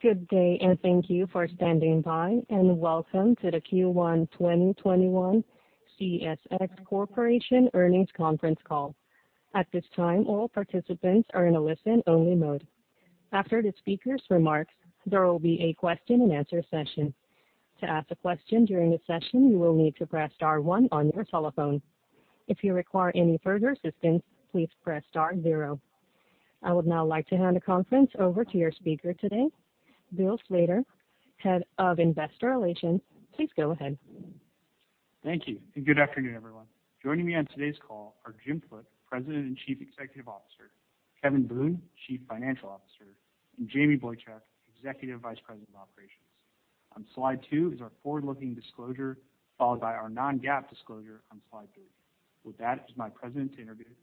Good day, and thank you for standing by, and welcome to the Q1 2021 CSX Corporation earnings conference call. At this time, all participants are in a listen-only mode. After the speakers' remarks, there will be a question-and-answer session. To ask a question during the session, you will need to press star one on your telephone. If you require any further assistance, please press star zero. I would now like to hand the conference over to your speaker today, Bill Slater, Head of Investor Relations. Please go ahead. Thank you, and good afternoon, everyone. Joining me on today's call are Jim Foote, President and Chief Executive Officer, Kevin Boone, Chief Financial Officer, and Jamie Boychuk, Executive Vice President of Operations. On slide two is our forward-looking disclosure, followed by our Non-GAAP disclosure on slide three. With that, it is my pleasure to introduce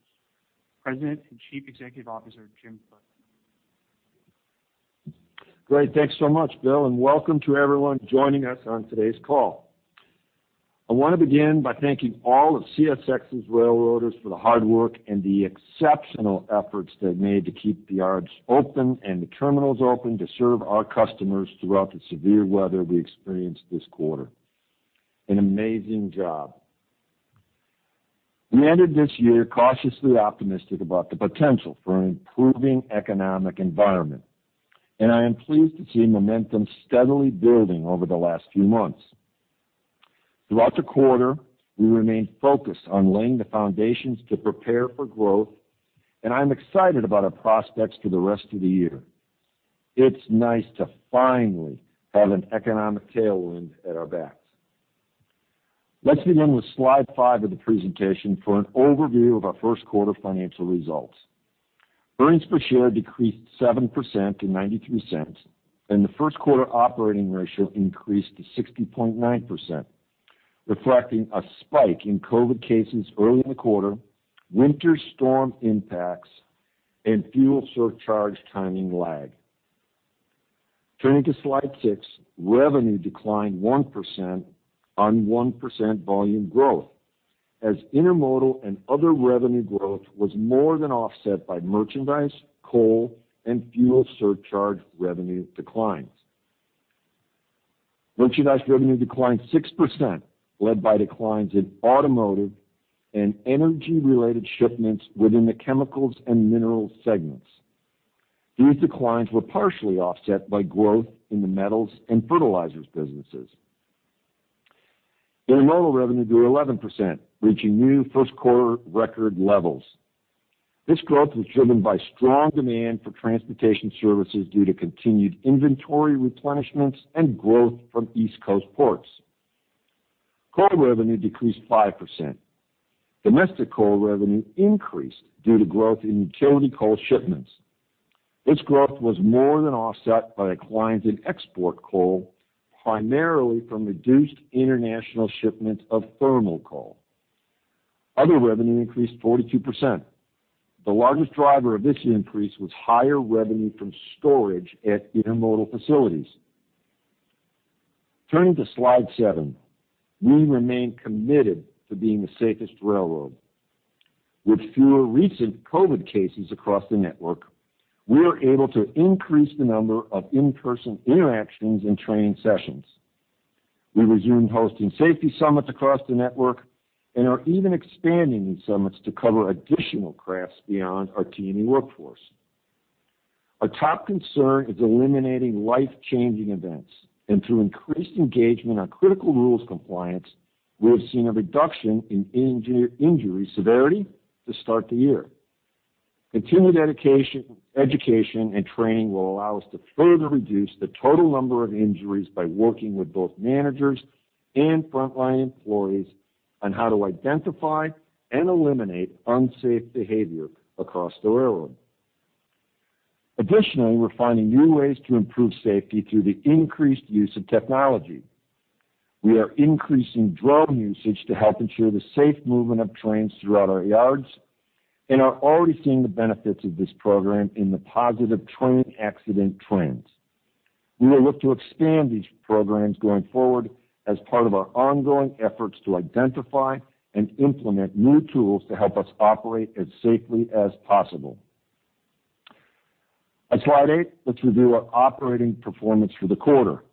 President and Chief Executive Officer, Jim Foote. Great. Thanks so much, Bill, and welcome to everyone joining us on today's call. I want to begin by thanking all of CSX's railroaders for the hard work and the exceptional efforts they've made to keep the yards open and the terminals open to serve our customers throughout the severe weather we experienced this quarter. An amazing job. We ended this year cautiously optimistic about the potential for an improving economic environment, and I am pleased to see momentum steadily building over the last few months. Throughout the quarter, we remained focused on laying the foundations to prepare for growth, and I'm excited about our prospects for the rest of the year. It's nice to finally have an economic tailwind at our backs. Let's begin with slide five of the presentation for an overview of our first quarter financial results. Earnings per share decreased 7% to $0.93, and the first quarter operating ratio increased to 60.9%, reflecting a spike in COVID cases early in the quarter, winter storm impacts, and fuel surcharge timing lag. Turning to slide six, revenue declined 1% on 1% volume growth as intermodal and other revenue growth was more than offset by merchandise, coal, and fuel surcharge revenue declines. Merchandise revenue declined 6%, led by declines in automotive and energy-related shipments within the chemicals and minerals segments. These declines were partially offset by growth in the metals and fertilizers businesses. Intermodal revenue grew 11%, reaching new first-quarter record levels. This growth was driven by strong demand for transportation services due to continued inventory replenishments and growth from East Coast ports. Coal revenue decreased 5%. Domestic coal revenue increased due to growth in utility coal shipments. This growth was more than offset by declines in export coal, primarily from reduced international shipments of thermal coal. Other revenue increased 42%. The largest driver of this increase was higher revenue from storage at intermodal facilities. Turning to slide seven. We remain committed to being the safest railroad. With fewer recent COVID cases across the network, we are able to increase the number of in-person interactions and training sessions. We resumed hosting safety summits across the network and are even expanding these summits to cover additional crafts beyond our T&E workforce. Our top concern is eliminating life-changing events, and through increased engagement on critical rules compliance, we have seen a reduction in engineer injury severity to start the year. Continued education and training will allow us to further reduce the total number of injuries by working with both managers and frontline employees on how to identify and eliminate unsafe behavior across the railroad. Additionally, we're finding new ways to improve safety through the increased use of technology. We are increasing drone usage to help ensure the safe movement of trains throughout our yards and are already seeing the benefits of this program in the positive train accident trends. We will look to expand these programs going forward as part of our ongoing efforts to identify and implement new tools to help us operate as safely as possible. On slide eight, let's review our operating performance for the quarter.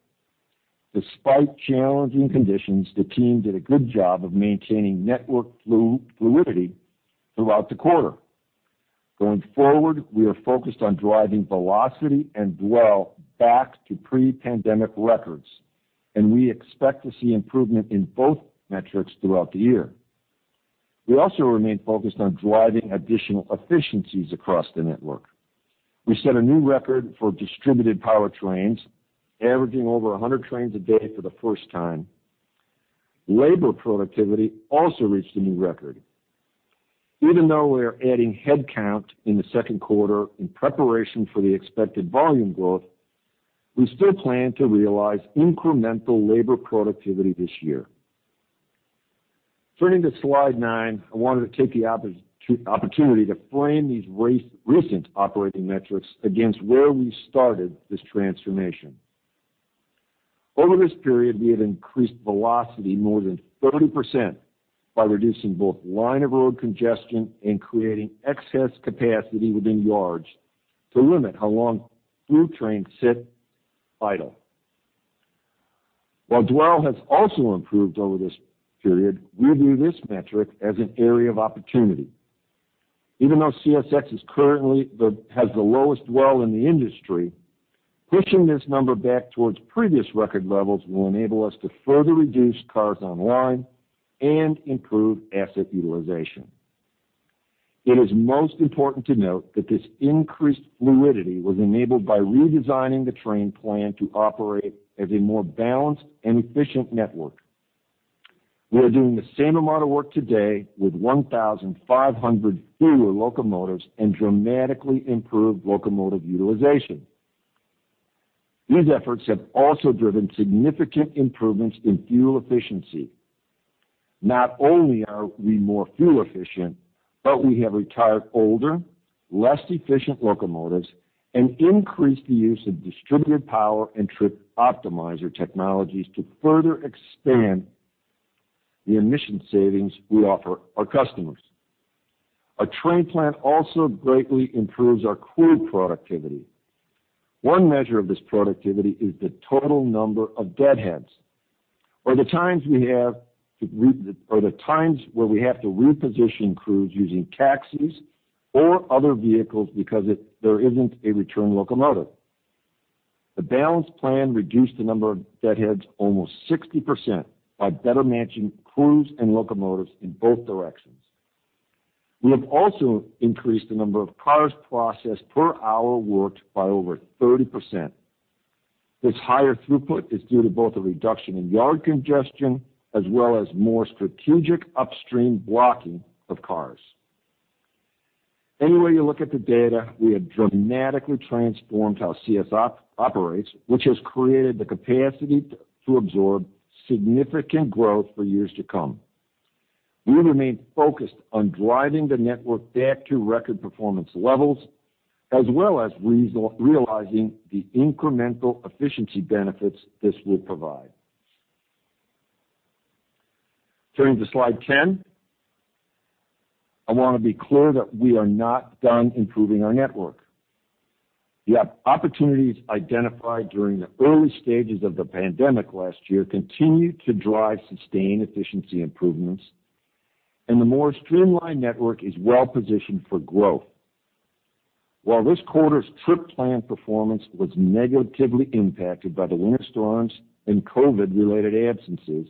Despite challenging conditions, the team did a good job of maintaining network fluidity throughout the quarter. Going forward, we are focused on driving velocity and dwell back to pre-pandemic records. We expect to see improvement in both metrics throughout the year. We also remain focused on driving additional efficiencies across the network. We set a new record for distributed power trains, averaging over 100 trains a day for the first time. Labor productivity also reached a new record. Even though we are adding headcount in the second quarter in preparation for the expected volume growth, we still plan to realize incremental labor productivity this year. Turning to slide nine, I wanted to take the opportunity to frame these recent operating metrics against where we started this transformation. Over this period, we have increased velocity more than 30% by reducing both line of road congestion and creating excess capacity within yards to limit how long through trains sit idle. While dwell has also improved over this period, we view this metric as an area of opportunity. Even though CSX currently has the lowest dwell in the industry, pushing this number back towards previous record levels will enable us to further reduce cars online and improve asset utilization. It is most important to note that this increased fluidity was enabled by redesigning the train plan to operate as a more balanced and efficient network. We are doing the same amount of work today with 1,500 fewer locomotives and dramatically improved locomotive utilization. These efforts have also driven significant improvements in fuel efficiency. Not only are we more fuel efficient, we have retired older, less efficient locomotives and increased the use of distributed power and Trip Optimizer technologies to further expand the emission savings we offer our customers. Our train plan also greatly improves our crew productivity. One measure of this productivity is the total number of deadheads, or the times where we have to reposition crews using taxis or other vehicles because there isn't a return locomotive. The balanced plan reduced the number of deadheads almost 60% by better matching crews and locomotives in both directions. We have also increased the number of cars processed per hour worked by over 30%. This higher throughput is due to both a reduction in yard congestion as well as more strategic upstream blocking of cars. Any way you look at the data, we have dramatically transformed how CSX operates, which has created the capacity to absorb significant growth for years to come. We remain focused on driving the network back to record performance levels, as well as realizing the incremental efficiency benefits this will provide. Turning to Slide 10. I want to be clear that we are not done improving our network. The opportunities identified during the early stages of the pandemic last year continue to drive sustained efficiency improvements, and the more streamlined network is well positioned for growth. While this quarter's trip plan performance was negatively impacted by the winter storms and COVID-related absences,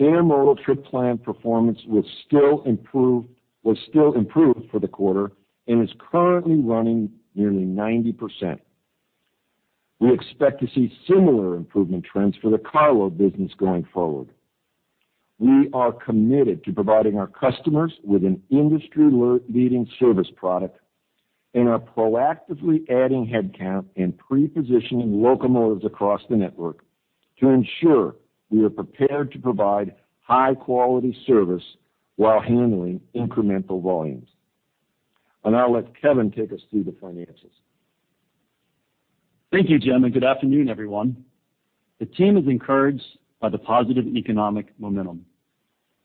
intermodal trip plan performance was still improved for the quarter and is currently running nearly 90%. We expect to see similar improvement trends for the carload business going forward. We are committed to providing our customers with an industry-leading service product and are proactively adding headcount and pre-positioning locomotives across the network to ensure we are prepared to provide high-quality service while handling incremental volumes. I'll now let Kevin take us through the finances. Thank you, Jim, and good afternoon, everyone. The team is encouraged by the positive economic momentum.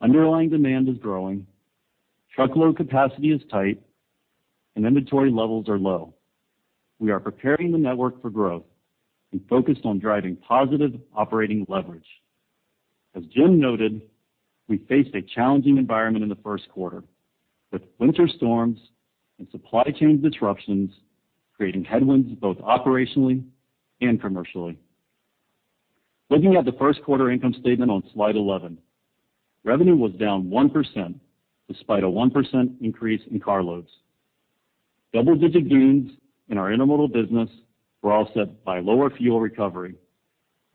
Underlying demand is growing, truckload capacity is tight, and inventory levels are low. We are preparing the network for growth and focused on driving positive operating leverage. As Jim noted, we faced a challenging environment in the first quarter, with winter storms and supply chain disruptions creating headwinds both operationally and commercially. Looking at the first quarter income statement on Slide 11, revenue was down 1% despite a 1% increase in car loads. Double-digit gains in our intermodal business were offset by lower fuel recovery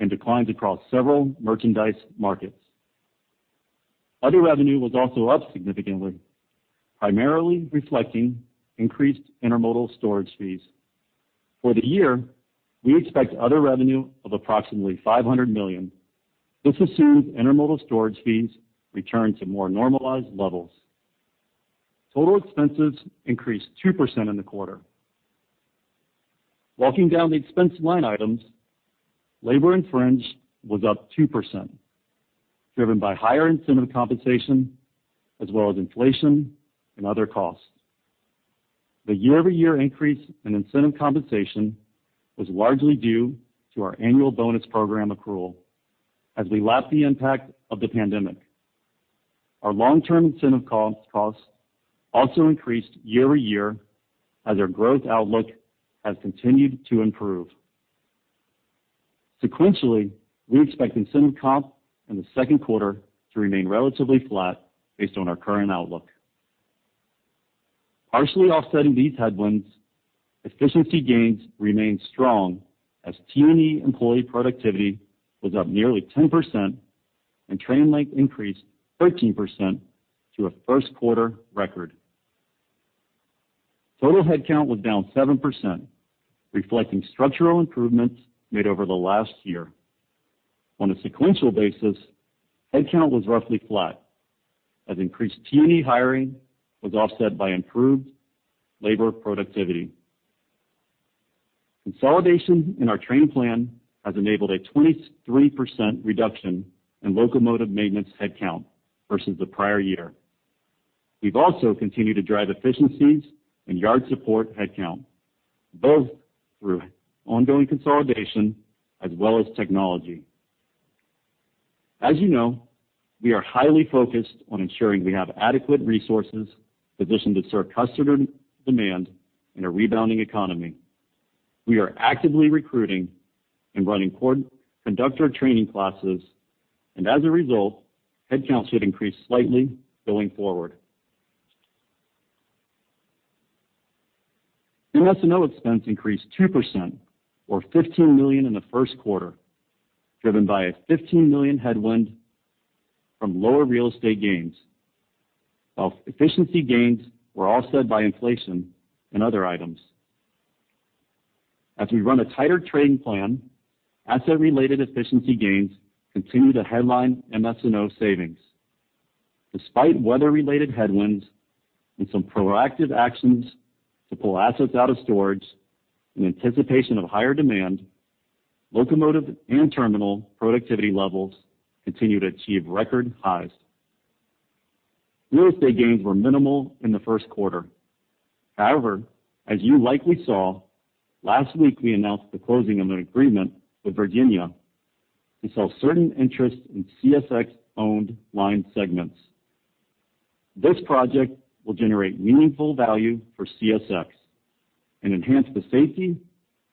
and declines across several merchandise markets. Other revenue was also up significantly, primarily reflecting increased intermodal storage fees. For the year, we expect other revenue of approximately $500 million. This assumes intermodal storage fees return to more normalized levels. Total expenses increased 2% in the quarter. Walking down the expense line items, labor and fringe was up 2%, driven by higher incentive compensation as well as inflation and other costs. The year-over-year increase in incentive compensation was largely due to our annual bonus program accrual as we lap the impact of the pandemic. Our long-term incentive costs also increased year-over-year as our growth outlook has continued to improve. Sequentially, we expect incentive comp in the second quarter to remain relatively flat based on our current outlook. Partially offsetting these headwinds, efficiency gains remained strong as T&E employee productivity was up nearly 10% and train length increased 13% to a first-quarter record. Total headcount was down 7%, reflecting structural improvements made over the last year. On a sequential basis, headcount was roughly flat, as increased T&E hiring was offset by improved labor productivity. Consolidation in our train plan has enabled a 23% reduction in locomotive maintenance headcount versus the prior year. We've also continued to drive efficiencies in yard support headcount, both through ongoing consolidation as well as technology. As you know, we are highly focused on ensuring we have adequate resources positioned to serve customer demand in a rebounding economy. We are actively recruiting and running conductor training classes, and as a result, headcount should increase slightly going forward. MS&O expense increased 2% or $15 million in the first quarter, driven by a $15 million headwind from lower real estate gains. While efficiency gains were offset by inflation and other items. As we run a tighter train plan, asset-related efficiency gains continue to headline MS&O savings. Despite weather-related headwinds and some proactive actions to pull assets out of storage in anticipation of higher demand, locomotive and terminal productivity levels continue to achieve record highs. Real estate gains were minimal in the first quarter. As you likely saw, last week we announced the closing of an agreement with Virginia to sell certain interests in CSX-owned line segments. This project will generate meaningful value for CSX and enhance the safety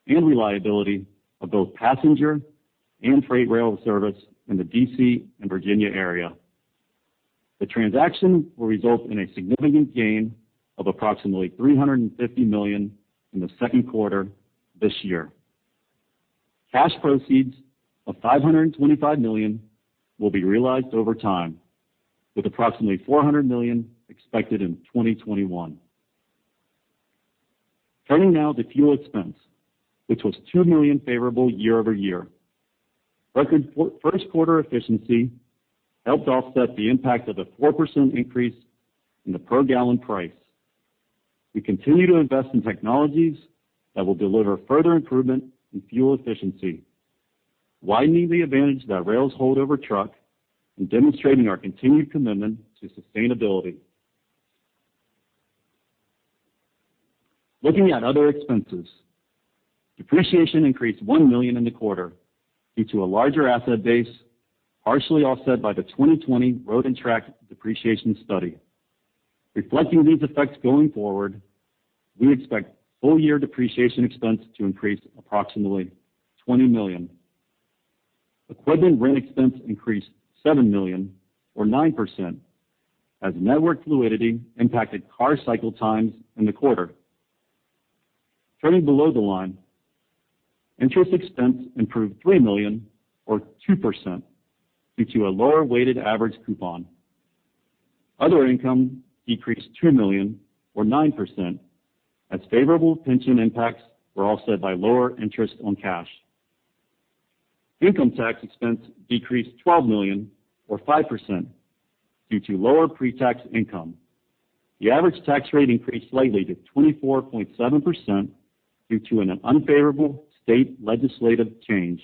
and reliability of both passenger and freight rail service in the D.C. and Virginia area. The transaction will result in a significant gain of approximately $350 million in the second quarter this year. Cash proceeds of $525 million will be realized over time, with approximately $400 million expected in 2021. Turning now to fuel expense, which was $2 million favorable year-over-year. Record first quarter efficiency helped offset the impact of a 4% increase in the per gallon price. We continue to invest in technologies that will deliver further improvement in fuel efficiency, widening the advantage that rails hold over truck and demonstrating our continued commitment to sustainability. Looking at other expenses, depreciation increased $1 million in the quarter due to a larger asset base, partially offset by the 2020 road and track depreciation study. Reflecting these effects going forward, we expect full year depreciation expense to increase approximately $20 million. Equipment rent expense increased $7 million or 9% as network fluidity impacted car cycle times in the quarter. Turning below the line, interest expense improved $3 million or 2% due to a lower weighted average coupon. Other income decreased $2 million or 9% as favorable pension impacts were offset by lower interest on cash. Income tax expense decreased $12 million or 5% due to lower pre-tax income. The average tax rate increased slightly to 24.7% due to an unfavorable state legislative change.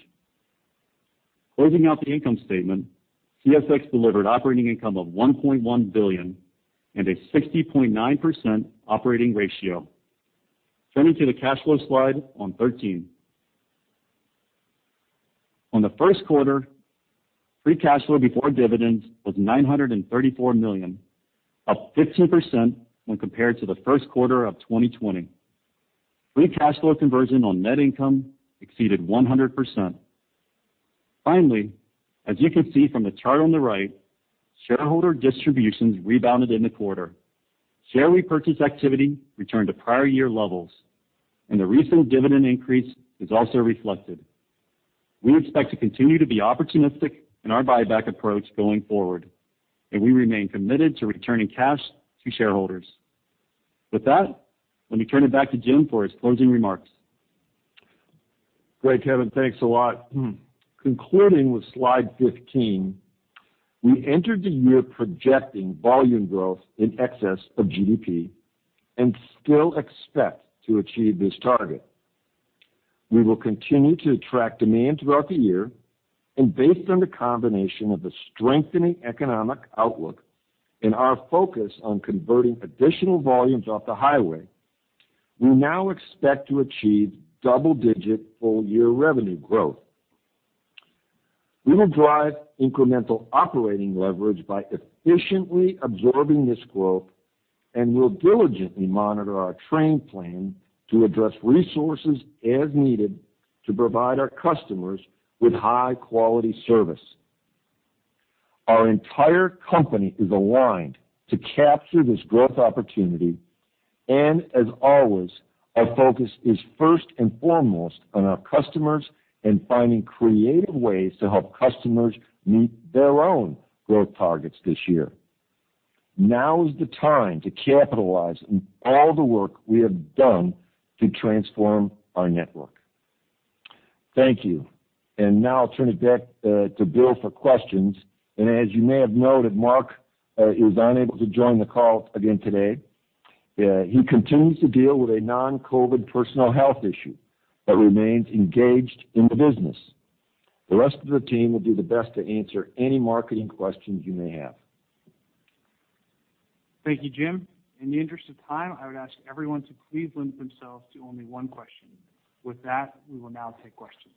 Closing out the income statement, CSX delivered operating income of $1.1 billion and a 60.9% operating ratio. Turning to the cash flow Slide on 13. On the first quarter, free cash flow before dividends was $934 million, up 15% when compared to the first quarter of 2020. Free cash flow conversion on net income exceeded 100%. Finally, as you can see from the chart on the right, shareholder distributions rebounded in the quarter. Share repurchase activity returned to prior year levels, and the recent dividend increase is also reflected. We expect to continue to be opportunistic in our buyback approach going forward, and we remain committed to returning cash to shareholders. With that, let me turn it back to Jim for his closing remarks. Great, Kevin. Thanks a lot. Concluding with slide 15, we entered the year projecting volume growth in excess of GDP and still expect to achieve this target. We will continue to attract demand throughout the year, and based on the combination of a strengthening economic outlook and our focus on converting additional volumes off the highway, we now expect to achieve double-digit full-year revenue growth. We will drive incremental operating leverage by efficiently absorbing this growth, and we'll diligently monitor our train plan to address resources as needed to provide our customers with high-quality service. Our entire company is aligned to capture this growth opportunity, and as always, our focus is first and foremost on our customers and finding creative ways to help customers meet their own growth targets this year. Now is the time to capitalize on all the work we have done to transform our network. Thank you. Now I'll turn it back to Bill for questions. As you may have noted, Mark is unable to join the call again today. He continues to deal with a non-COVID personal health issue but remains engaged in the business. The rest of the team will do their best to answer any marketing questions you may have. Thank you, Jim. In the interest of time, I would ask everyone to please limit themselves to only one question. With that, we will now take questions.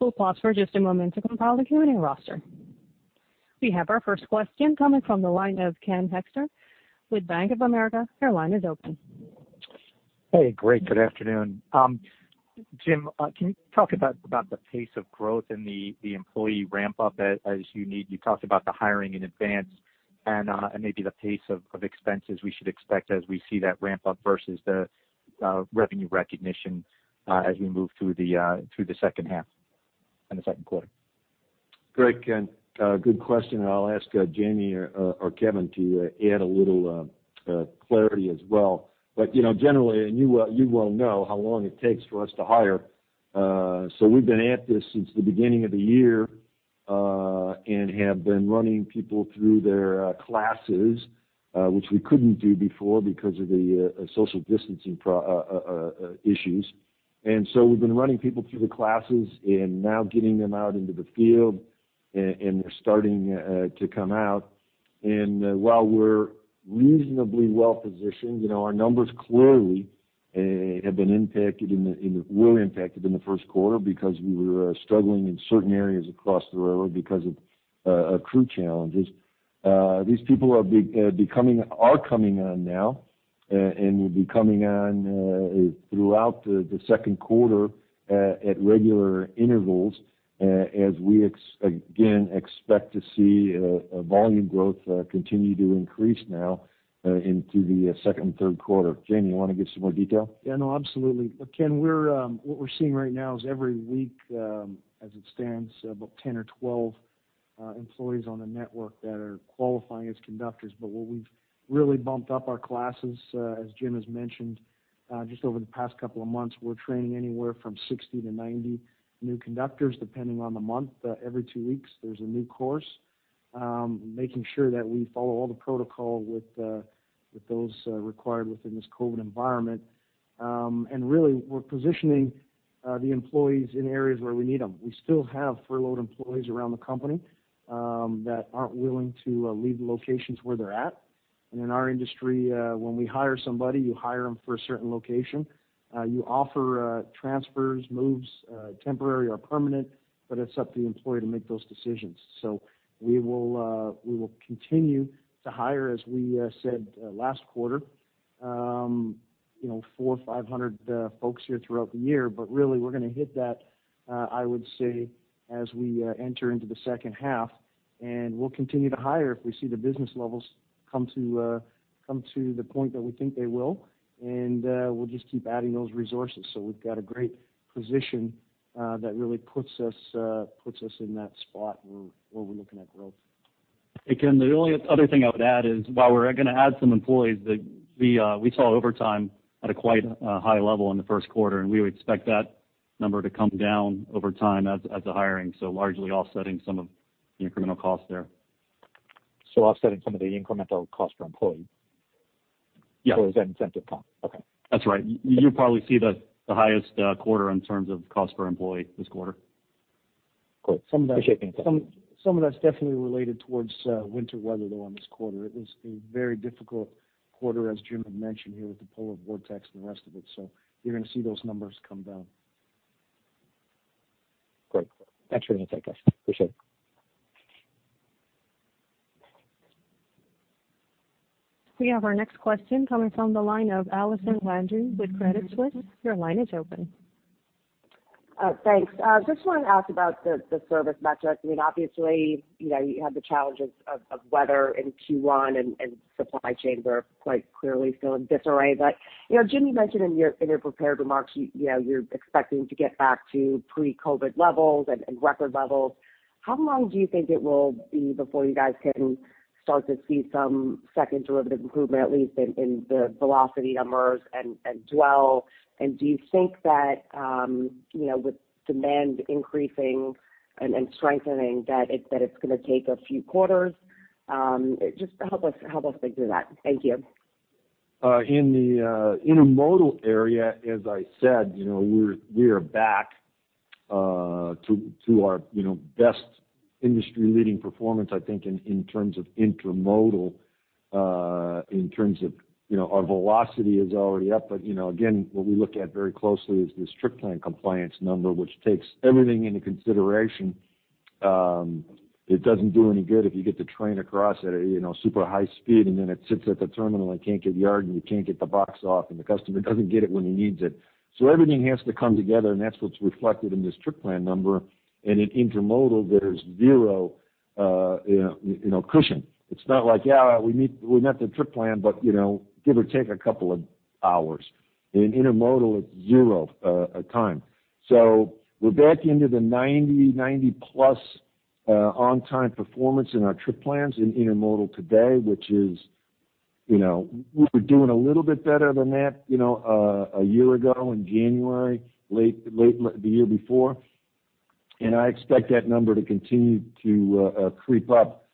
We'll pause for just a moment to compile the queuing roster. We have our first question coming from the line of Ken Hoexter with Bank of America. Your line is open. Hey, great, good afternoon. Jim, can you talk about the pace of growth and the employee ramp-up as you need? You talked about the hiring in advance and maybe the pace of expenses we should expect as we see that ramp up versus the revenue recognition as we move through the second half and the second quarter. Great, Ken. Good question. I'll ask Jamie or Kevin to add a little clarity as well. Generally, and you well know how long it takes for us to hire. We've been at this since the beginning of the year and have been running people through their classes, which we couldn't do before because of the social distancing issues. We've been running people through the classes and now getting them out into the field, and they're starting to come out. While we're reasonably well-positioned, our numbers clearly were impacted in the first quarter because we were struggling in certain areas across the railroad because of crew challenges. These people are coming on now and will be coming on throughout the second quarter at regular intervals as we, again, expect to see volume growth continue to increase now into the second and third quarter. Jamie, you want to give some more detail? Yeah, no, absolutely. Ken, what we're seeing right now is every week, as it stands, about 10 employees or 12 employees on the network that are qualifying as conductors. What we've really bumped up our classes, as Jim has mentioned, just over the past couple of months, we're training anywhere from 60 new conductors-90 new conductors, depending on the month. Every two weeks, there's a new course, making sure that we follow all the protocol with those required within this COVID environment. Really, we're positioning the employees in areas where we need them. We still have furloughed employees around the company that aren't willing to leave the locations where they're at. In our industry, when we hire somebody, you hire them for a certain location. You offer transfers, moves, temporary or permanent, but it's up to the employee to make those decisions. We will continue to hire, as we said last quarter, 400 folks or 500 folks here throughout the year. Really, we're going to hit that, I would say, as we enter into the second half. We'll continue to hire if we see the business levels come to the point that we think they will, and we'll just keep adding those resources. We've got a great position that really puts us in that spot where we're looking at growth. Hey, Ken, the only other thing I would add is while we're going to add some employees, we saw overtime at a quite high level in the first quarter, and we would expect that number to come down over time as the hiring, so largely offsetting some of the incremental costs there. Offsetting some of the incremental cost per employee? Yeah. Is that incentive cost? Okay. That's right. You'll probably see the highest quarter in terms of cost per employee this quarter. Cool. Appreciate the insight. Some of that's definitely related towards winter weather, though, on this quarter. It was a very difficult quarter, as Jim had mentioned here, with the polar vortex and the rest of it. You're going to see those numbers come down. Great. Thanks for the insight, guys. Appreciate it. We have our next question coming from the line of Allison Landry with Credit Suisse. Your line is open. Thanks. Just want to ask about the service metrics. Obviously, you had the challenges of weather in Q1, and supply chains are quite clearly still in disarray. Jim, you mentioned in your prepared remarks you're expecting to get back to pre-COVID levels and record levels. How long do you think it will be before you guys can start to see some second derivative improvement, at least in the velocity numbers and dwell? Do you think that with demand increasing and strengthening, that it's going to take a few quarters? Just help us think through that. Thank you. In the intermodal area, as I said, we are back to our best industry-leading performance, I think, in terms of intermodal. In terms of our velocity is already up, but again, what we look at very closely is this trip plan compliance number, which takes everything into consideration. It doesn't do any good if you get the train across at a super high speed, and then it sits at the terminal and can't get yard, and you can't get the box off, and the customer doesn't get it when he needs it. Everything has to come together, and that's what's reflected in this trip plan number. In intermodal, there's zero cushion. It's not like, yeah, we met the trip plan, but give or take a couple of hours. In intermodal, it's zero time. We're back into the 90+% on-time performance in our trip plans in intermodal today, which is we were doing a little bit better than that a year ago in January, late the year before. I expect that number to continue to creep up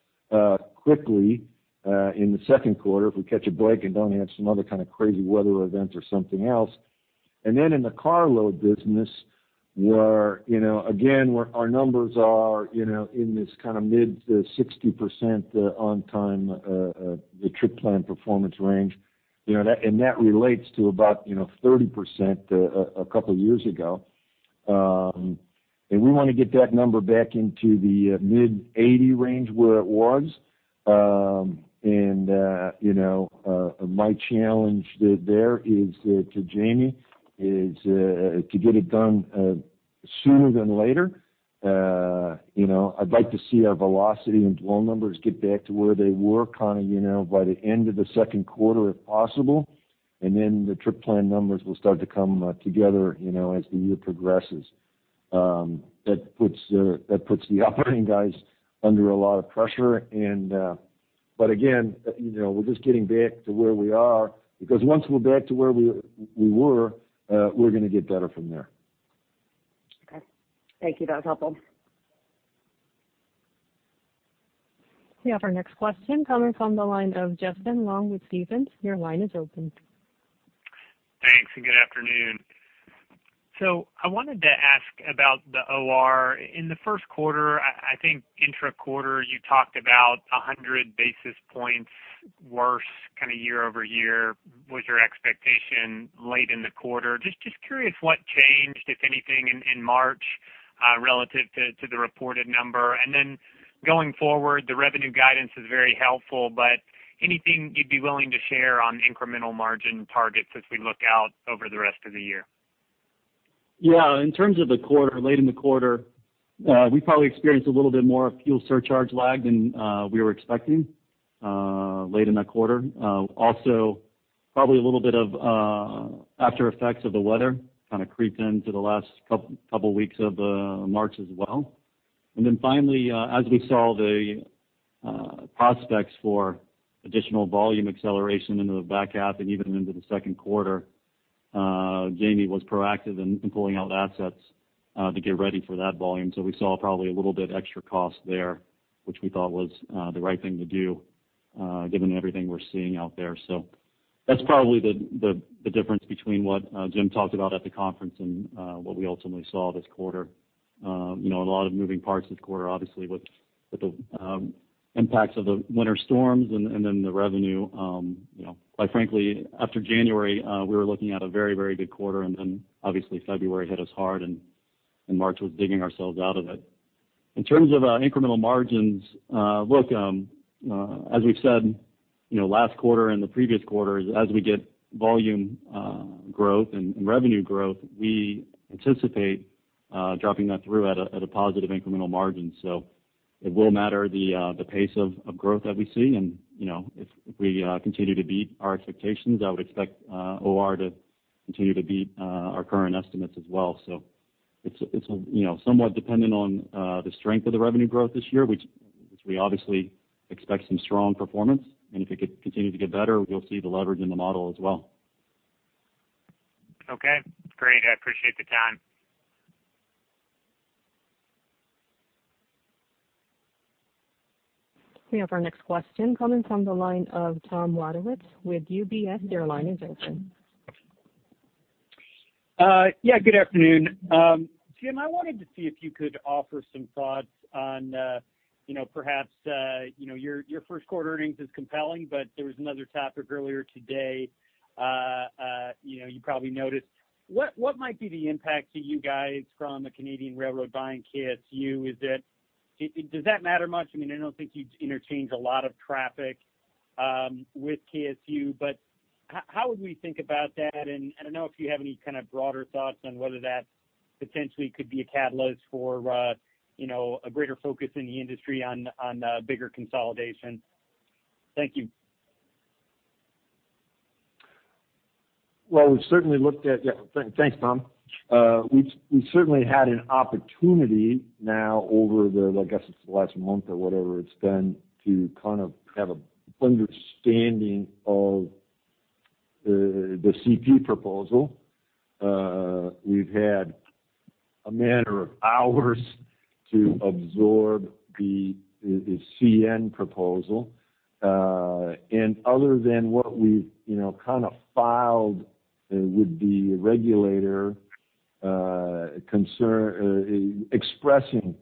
quickly in the second quarter if we catch a break and don't have some other kind of crazy weather event or something else. In the carload business, where again, where our numbers are in this kind of mid-60% on time, the trip plan performance range. That relates to about 30% a couple of years ago. We want to get that number back into the mid-80% range where it was. My challenge there is to Jamie is to get it done sooner than later. I'd like to see our velocity and dwell numbers get back to where they were kind of by the end of the second quarter, if possible. The trip plan numbers will start to come together as the year progresses. That puts the operating guys under a lot of pressure. Again, we're just getting back to where we are because once we're back to where we were, we're going to get better from there. Okay. Thank you. That was helpful. We have our next question coming from the line of Justin Long with Stephens. Thanks, good afternoon. I wanted to ask about the OR. In the first quarter, I think intra quarter, you talked about 100 basis points worse kind of year-over-year was your expectation late in the quarter. Just curious what changed, if anything, in March relative to the reported number. Going forward, the revenue guidance is very helpful, but anything you'd be willing to share on incremental margin targets as we look out over the rest of the year? Yeah. In terms of the quarter, late in the quarter, we probably experienced a little bit more fuel surcharge lag than we were expecting late in that quarter. Probably a little bit of after effects of the weather kind of creeped into the last couple of weeks of March as well. Finally, as we saw the prospects for additional volume acceleration into the back half and even into the second quarter, Jamie was proactive in pulling out assets to get ready for that volume. We saw probably a little bit extra cost there, which we thought was the right thing to do given everything we're seeing out there. That's probably the difference between what Jim talked about at the conference and what we ultimately saw this quarter. A lot of moving parts this quarter, obviously with the impacts of the winter storms and then the revenue. Quite frankly, after January, we were looking at a very good quarter, and then obviously February hit us hard, and March was digging ourselves out of it. In terms of incremental margins, look, as we've said last quarter and the previous quarters, as we get volume growth and revenue growth, we anticipate dropping that through at a positive incremental margin. It will matter the pace of growth that we see, and if we continue to beat our expectations, I would expect OR to continue to beat our current estimates as well. It's somewhat dependent on the strength of the revenue growth this year, which we obviously expect some strong performance. If it could continue to get better, we'll see the leverage in the model as well. Okay, great. I appreciate the time. We have our next question coming from the line of Tom Wadewitz with UBS. Your line is open. Yeah, good afternoon. Jim, I wanted to see if you could offer some thoughts on perhaps your first quarter earnings is compelling, but there was another topic earlier today you probably noticed. What might be the impact to you guys from a Canadian railroad buying KSU? Does that matter much? I don't think you interchange a lot of traffic with KSU, but how would we think about that? I don't know if you have any kind of broader thoughts on whether that potentially could be a catalyst for a greater focus in the industry on bigger consolidation? Thank you. Well, we certainly looked at. Yeah, thanks, Tom. We certainly had an opportunity now over the, I guess it's the last month or whatever it's been, to kind of have an understanding of the CP proposal. We've had a matter of hours to absorb the CN proposal. Other than what we've kind of filed with the regulator expressing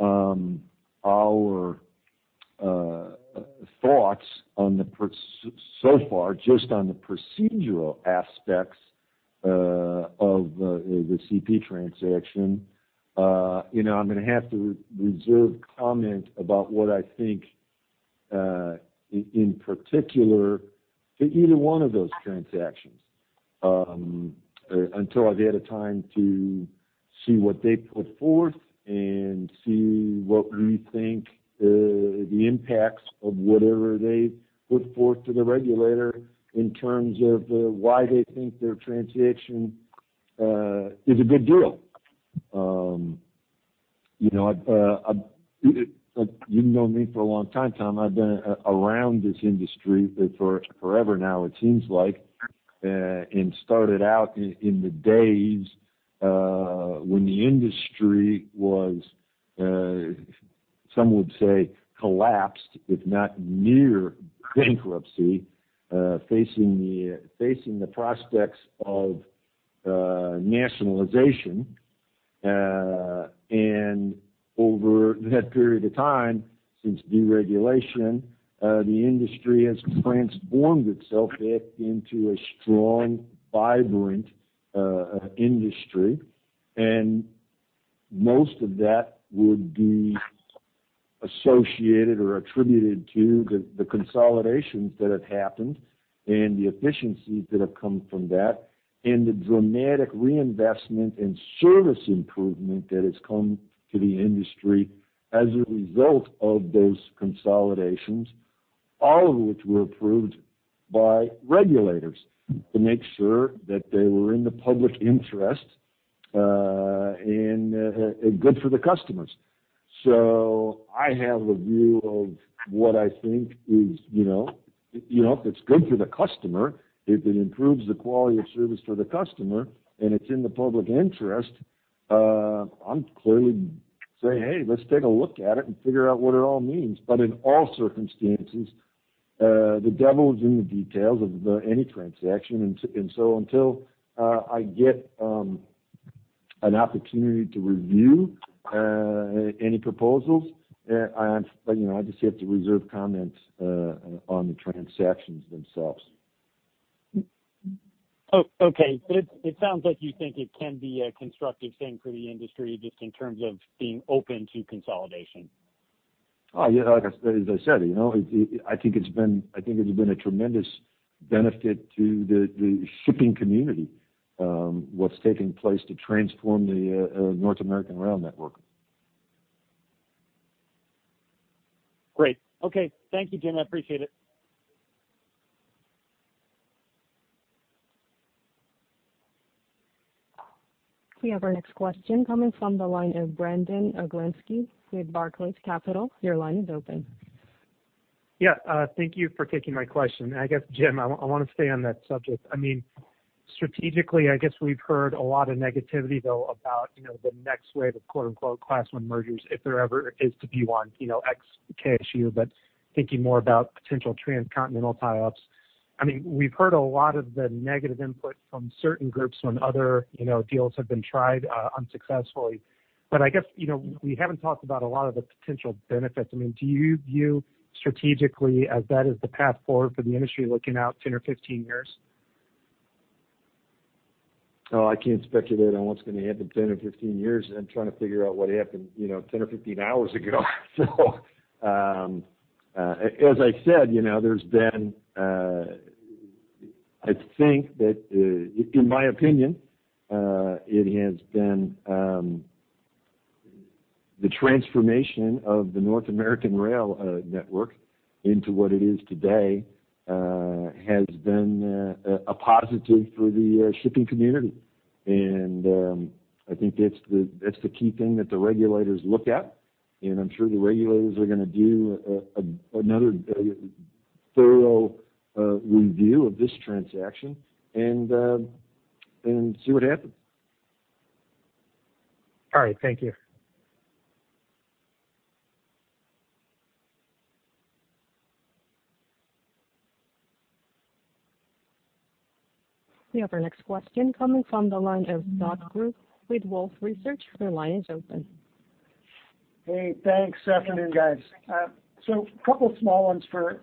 our thoughts on the procedural aspects of the CP transaction. I'm going to have to reserve comment about what I think in particular, either one of those transactions, until I've had a time to see what they put forth and see what we think the impacts of whatever they put forth to the regulator in terms of why they think their transaction is a good deal. You've known me for a long time, Tom. I've been around this industry for forever now, it seems like, started out in the days when the industry was, some would say, collapsed, if not near bankruptcy, facing the prospects of nationalization. Over that period of time, since deregulation, the industry has transformed itself into a strong, vibrant industry. Most of that would be associated or attributed to the consolidations that have happened and the efficiencies that have come from that, and the dramatic reinvestment and service improvement that has come to the industry as a result of those consolidations. All of which were approved by regulators to make sure that they were in the public interest and good for the customers. I have a view of what I think If it's good for the customer, if it improves the quality of service for the customer and it's in the public interest, I'm clearly say, "Hey, let's take a look at it and figure out what it all means." In all circumstances, the devil is in the details of any transaction. Until I get an opportunity to review any proposals, I just have to reserve comments on the transactions themselves. Okay. It sounds like you think it can be a constructive thing for the industry, just in terms of being open to consolidation. Like I said, I think it has been a tremendous benefit to the shipping community, what's taking place to transform the North American rail network. Great. Okay. Thank you, Jim. I appreciate it. We have our next question coming from the line of Brandon Oglenski with Barclays Capital. Your line is open. Yeah. Thank you for taking my question. I guess, Jim, I want to stay on that subject. Strategically, I guess we've heard a lot of negativity, though, about the next wave of Class I mergers, if there ever is to be one, ex KSU, but thinking more about potential transcontinental tie-ups. We've heard a lot of the negative input from certain groups when other deals have been tried unsuccessfully. I guess, we haven't talked about a lot of the potential benefits. Do you view strategically as that is the path forward for the industry looking out 10 years or 15 years? I can't speculate on what's going to happen 10 years or 15 years. I'm trying to figure out what happened 10 hours or 15 hours ago. As I said, in my opinion, it has been the transformation of the North American rail network into what it is today has been a positive for the shipping community. I think that's the key thing that the regulators look at, and I'm sure the regulators are going to do another thorough review of this transaction and see what happens. All right. Thank you. We have our next question coming from the line of Scott Group with Wolfe Research. Your line is open. Hey, thanks. Afternoon, guys. A couple small ones for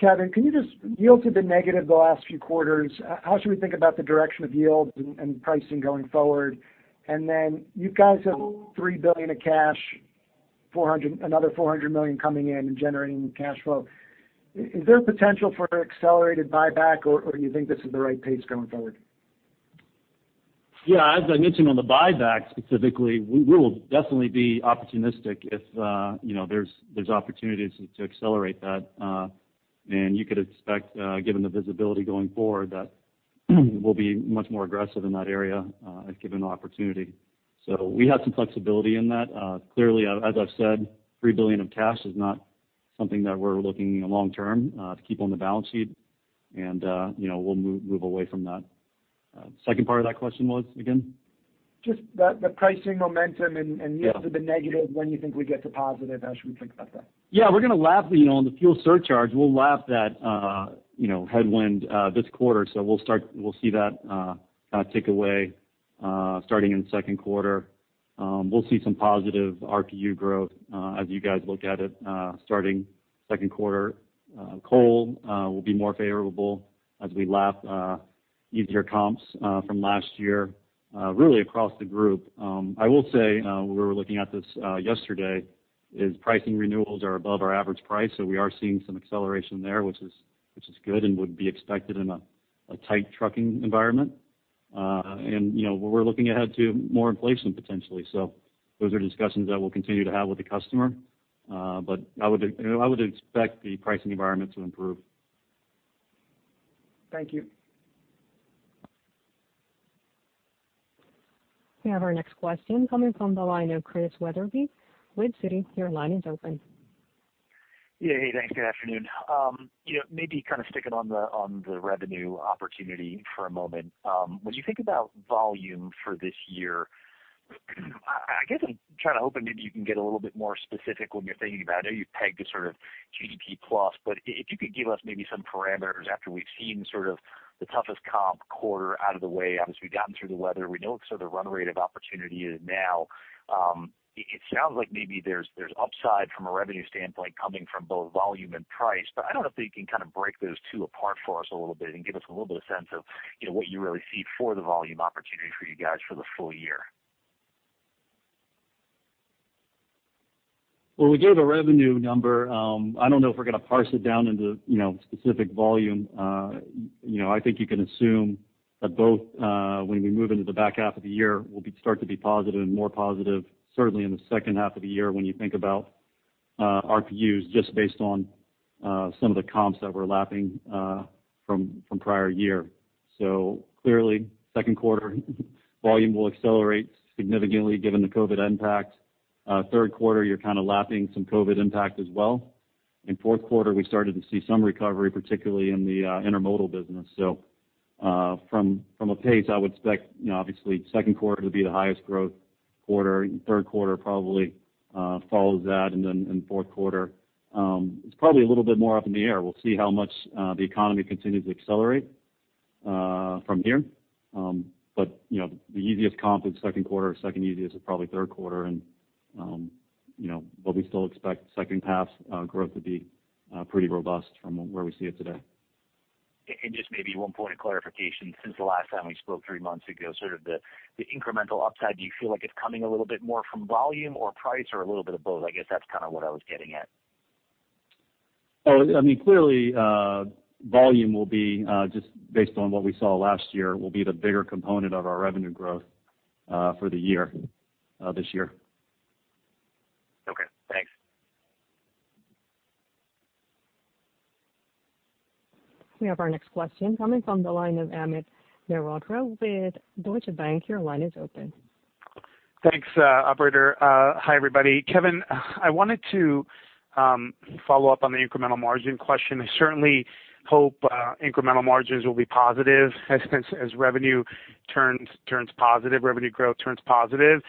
Kevin. Can you just yield to the negative the last few quarters? How should we think about the direction of yields and pricing going forward? You guys have $3 billion of cash, another $400 million coming in and generating cash flow. Is there potential for accelerated buyback, or do you think this is the right pace going forward? Yeah. As I mentioned on the buyback specifically, we will definitely be opportunistic if there's opportunities to accelerate that. You could expect, given the visibility going forward, that we'll be much more aggressive in that area given the opportunity. We have some flexibility in that. Clearly, as I've said, $3 billion of cash is not something that we're looking long term to keep on the balance sheet, and we'll move away from that. Second part of that question was, again? Just the pricing momentum. Yeah yields to the negative. When you think we get to positive, how should we think about that? Yeah. On the fuel surcharge, we'll lap that headwind this quarter. We'll see that tick away starting in the second quarter. We'll see some positive RPU growth as you guys look at it starting second quarter. Coal will be more favorable as we lap easier comps from last year really across the group. I will say, we were looking at this yesterday, is pricing renewals are above our average price, so we are seeing some acceleration there, which is good and would be expected in a tight trucking environment. We're looking ahead to more inflation potentially. Those are discussions that we'll continue to have with the customer. I would expect the pricing environment to improve. Thank you. We have our next question coming from the line of Chris Wetherbee with Citi. Your line is open. Yeah. Hey, thanks. Good afternoon. Maybe kind of sticking on the revenue opportunity for a moment. When you think about volume for this year, I guess I'm kind of hoping maybe you can get a little bit more specific when you're thinking about it. I know you pegged a sort of GDP plus, but if you could give us maybe some parameters after we've seen sort of the toughest comp quarter out of the way. Obviously, we've gotten through the weather. We know what sort of run rate of opportunity is now. It sounds like maybe there's upside from a revenue standpoint coming from both volume and price, but I don't know if you can kind of break those two apart for us a little bit and give us a little bit of sense of what you really see for the volume opportunity for you guys for the full year. Well, we gave a revenue number. I don't know if we're going to parse it down into specific volume. I think you can assume that both when we move into the back half of the year, we'll start to be positive and more positive, certainly in the second half of the year when you think about RPUs just based on some of the comps that we're lapping from prior year. Clearly, second quarter volume will accelerate significantly given the COVID impact. Third quarter, you're kind of lapping some COVID impact as well. In fourth quarter, we started to see some recovery, particularly in the intermodal business. From a pace, I would expect, obviously, second quarter to be the highest growth quarter, third quarter probably follows that, and then fourth quarter is probably a little bit more up in the air. We'll see how much the economy continues to accelerate from here. The easiest comp is second quarter. Second easiest is probably third quarter. We'll be still expect second half growth to be pretty robust from where we see it today. Just maybe one point of clarification. Since the last time we spoke three months ago, sort of the incremental upside, do you feel like it's coming a little bit more from volume or price or a little bit of both? I guess that's kind of what I was getting at. Clearly, volume will be, just based on what we saw last year, will be the bigger component of our revenue growth for the year, this year. Okay, thanks. We have our next question coming from the line of Amit Mehrotra with Deutsche Bank. Your line is open. Thanks, operator. Hi, everybody. Kevin, I wanted to follow up on the incremental margin question. I certainly hope incremental margins will be positive as revenue turns positive, revenue growth turns positive.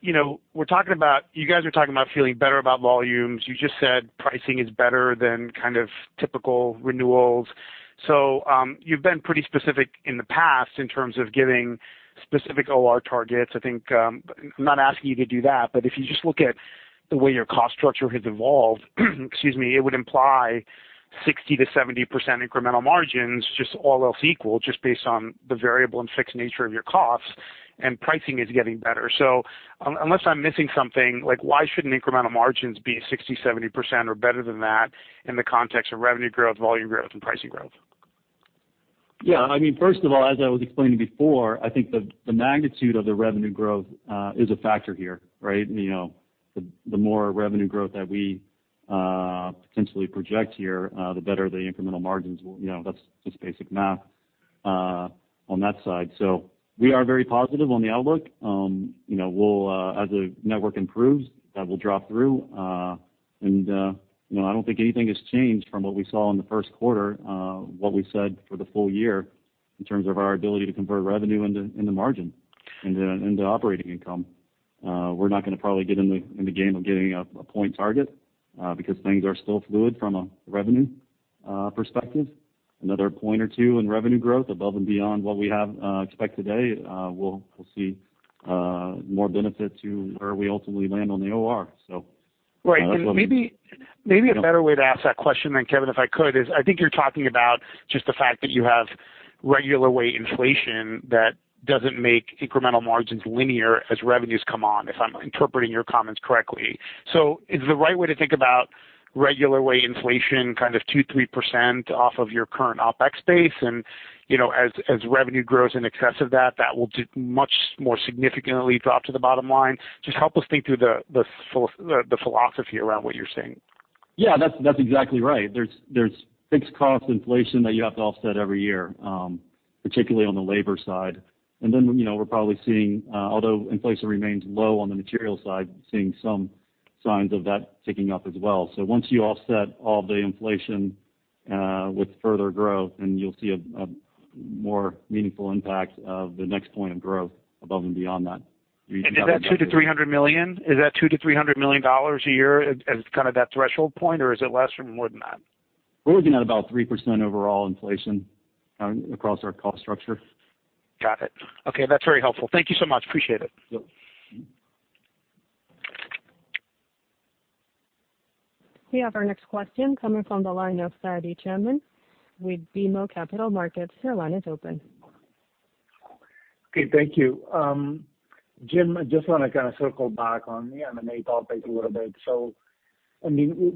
You guys are talking about feeling better about volumes. You just said pricing is better than kind of typical renewals. You've been pretty specific in the past in terms of giving specific OR targets, I think. I'm not asking you to do that, but if you just look at the way your cost structure has evolved, excuse me, it would imply 60%-70% incremental margins, just all else equal, just based on the variable and fixed nature of your costs, and pricing is getting better. Unless I'm missing something, like, why shouldn't incremental margins be 60%, 70%, or better than that in the context of revenue growth, volume growth, and pricing growth? Yeah. First of all, as I was explaining before, I think the magnitude of the revenue growth is a factor here, right? The more revenue growth that we potentially project here, the better the incremental margins. That's just basic math on that side. We are very positive on the outlook. As the network improves, that will drop through. I don't think anything has changed from what we saw in the first quarter, what we said for the full year in terms of our ability to convert revenue into margin, into operating income. We're not going to probably get in the game of giving a point target because things are still fluid from a revenue perspective. Another point or two in revenue growth above and beyond what we have expected today, we'll see more benefit to where we ultimately land on the OR. Maybe a better way to ask that question then, Kevin, if I could, is I think you're talking about just the fact that you have regular wage inflation that doesn't make incremental margins linear as revenues come on, if I'm interpreting your comments correctly. Is the right way to think about regular wage inflation kind of 2%, 3% off of your current OpEx base, and as revenue grows in excess of that will much more significantly drop to the bottom line? Just help us think through the philosophy around what you're saying. Yeah, that's exactly right. There's fixed cost inflation that you have to offset every year, particularly on the labor side. Then we're probably seeing, although inflation remains low on the material side, seeing some signs of that ticking up as well. Once you offset all the inflation with further growth, then you'll see a more meaningful impact of the next point of growth above and beyond that. Is that $200 million-$300 million? Is that $200 million-$300 million a year as kind of that threshold point, or is it less or more than that? We're looking at about 3% overall inflation across our cost structure. Got it. Okay, that's very helpful. Thank you so much. Appreciate it. We have our next question coming from the line of Fadi Chamoun with BMO Capital Markets. Your line is open. Okay, thank you. Jim, I just want to circle back on the M&A topic a little bit.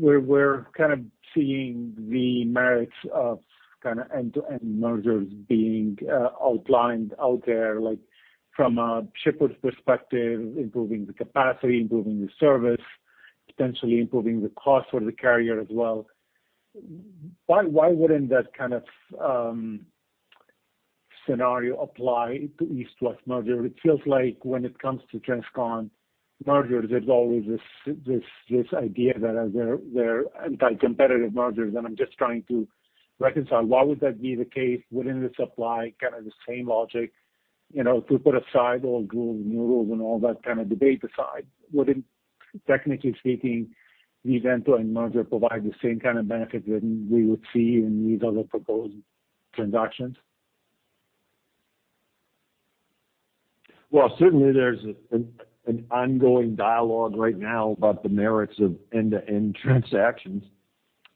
We're seeing the merits of end-to-end mergers being outlined out there from a shipper's perspective, improving the capacity, improving the service, potentially improving the cost for the carrier as well. Why wouldn't that kind of scenario apply to east-west merger? It feels like when it comes to transcon mergers, there's always this idea that they're anti-competitive mergers, and I'm just trying to reconcile why would that be the case? Wouldn't this apply the same logic, if we put aside all rules and all that kind of debate aside, wouldn't, technically speaking, the end-to-end merger provide the same kind of benefit that we would see in these other proposed transactions? Well, certainly there's an ongoing dialogue right now about the merits of end-to-end transactions.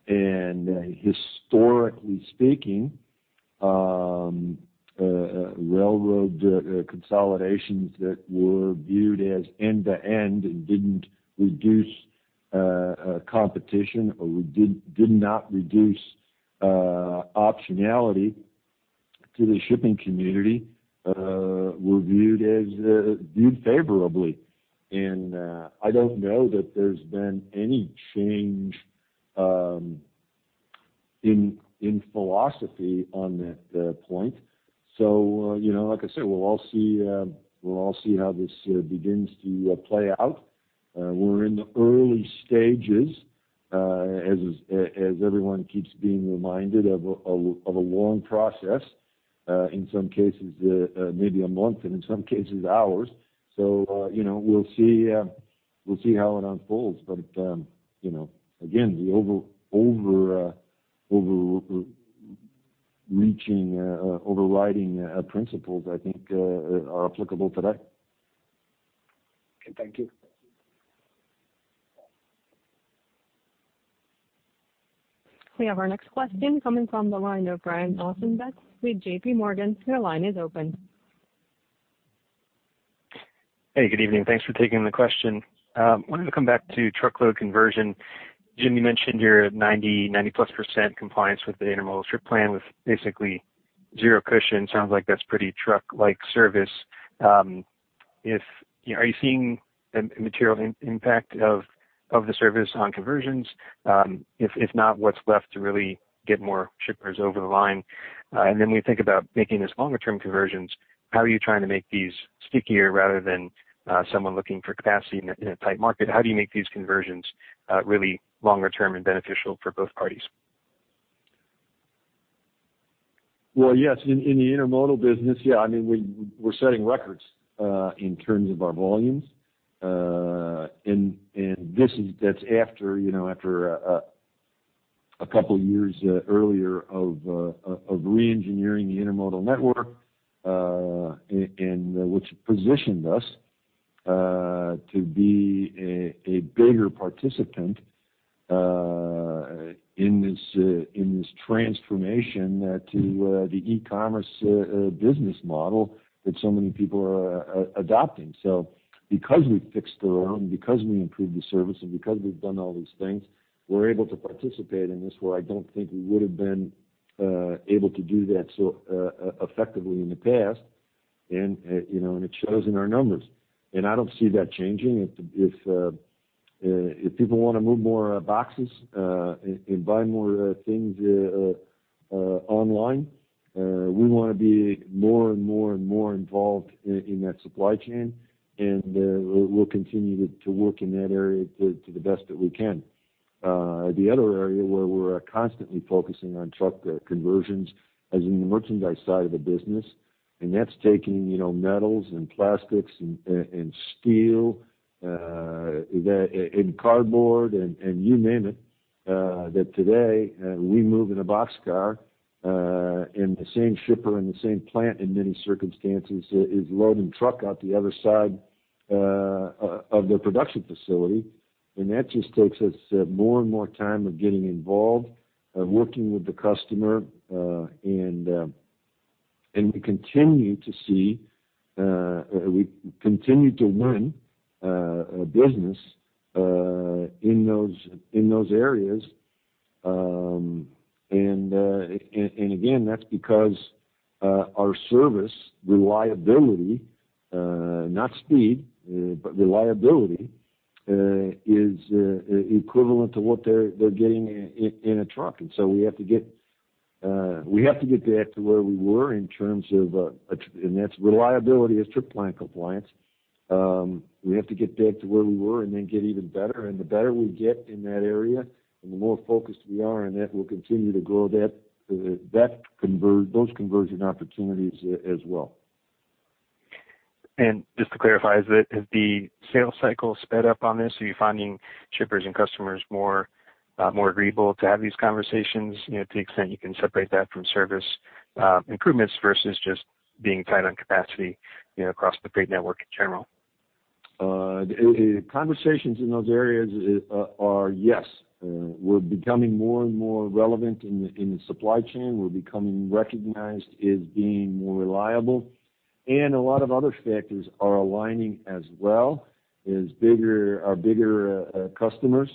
Historically speaking, railroad consolidations that were viewed as end to end and didn't reduce competition or did not reduce optionality to the shipping community were viewed favorably. I don't know that there's been any change in philosophy on that point. Like I said, we'll all see how this begins to play out. We're in the early stages, as everyone keeps being reminded, of a long process. In some cases, maybe a month, and in some cases, hours. We'll see how it unfolds, but again, the overreaching, overriding principles, I think, are applicable today. Okay, thank you. We have our next question coming from the line of Brian Ossenbeck with JPMorgan. Your line is open. Hey, good evening. Thanks for taking the question. Wanted to come back to truckload conversion. Jim, you mentioned your 90%+ compliance with the intermodal trip plan with basically zero cushion. Sounds like that's pretty truck-like service. Are you seeing a material impact of the service on conversions? If not, what's left to really get more shippers over the line? When you think about making this longer term conversions, how are you trying to make these stickier rather than someone looking for capacity in a tight market? How do you make these conversions really longer term and beneficial for both parties? Well, yes, in the intermodal business, yeah. We're setting records in terms of our volumes. That's after a couple of years earlier of re-engineering the intermodal network, and which positioned us to be a bigger participant in this transformation to the e-commerce business model that so many people are adopting. Because we fixed the rail, and because we improved the service, and because we've done all these things, we're able to participate in this, where I don't think we would have been able to do that so effectively in the past. It shows in our numbers, and I don't see that changing. If people want to move more boxes and buy more things online, we want to be more and more involved in that supply chain, and we'll continue to work in that area to the best that we can. The other area where we're constantly focusing on truck conversions is in the merchandise side of the business. That's taking metals and plastics and steel and cardboard, and you name it, that today we move in a boxcar. The same shipper in the same plant, in many circumstances, is loading truck out the other side of their production facility. That just takes us more and more time of getting involved, working with the customer. We continue to win business in those areas. Again, that's because our service reliability, not speed, but reliability is equivalent to what they're getting in a truck. We have to get back to where we were. That's reliability is trip plan compliance. We have to get back to where we were and then get even better. The better we get in that area and the more focused we are on that, we'll continue to grow those conversion opportunities as well. Just to clarify, has the sales cycle sped up on this? Are you finding shippers and customers more agreeable to have these conversations, to the extent you can separate that from service improvements versus just being tight on capacity across the freight network in general? Conversations in those areas are, yes. We're becoming more and more relevant in the supply chain. We're becoming recognized as being more reliable, and a lot of other factors are aligning as well as our bigger customers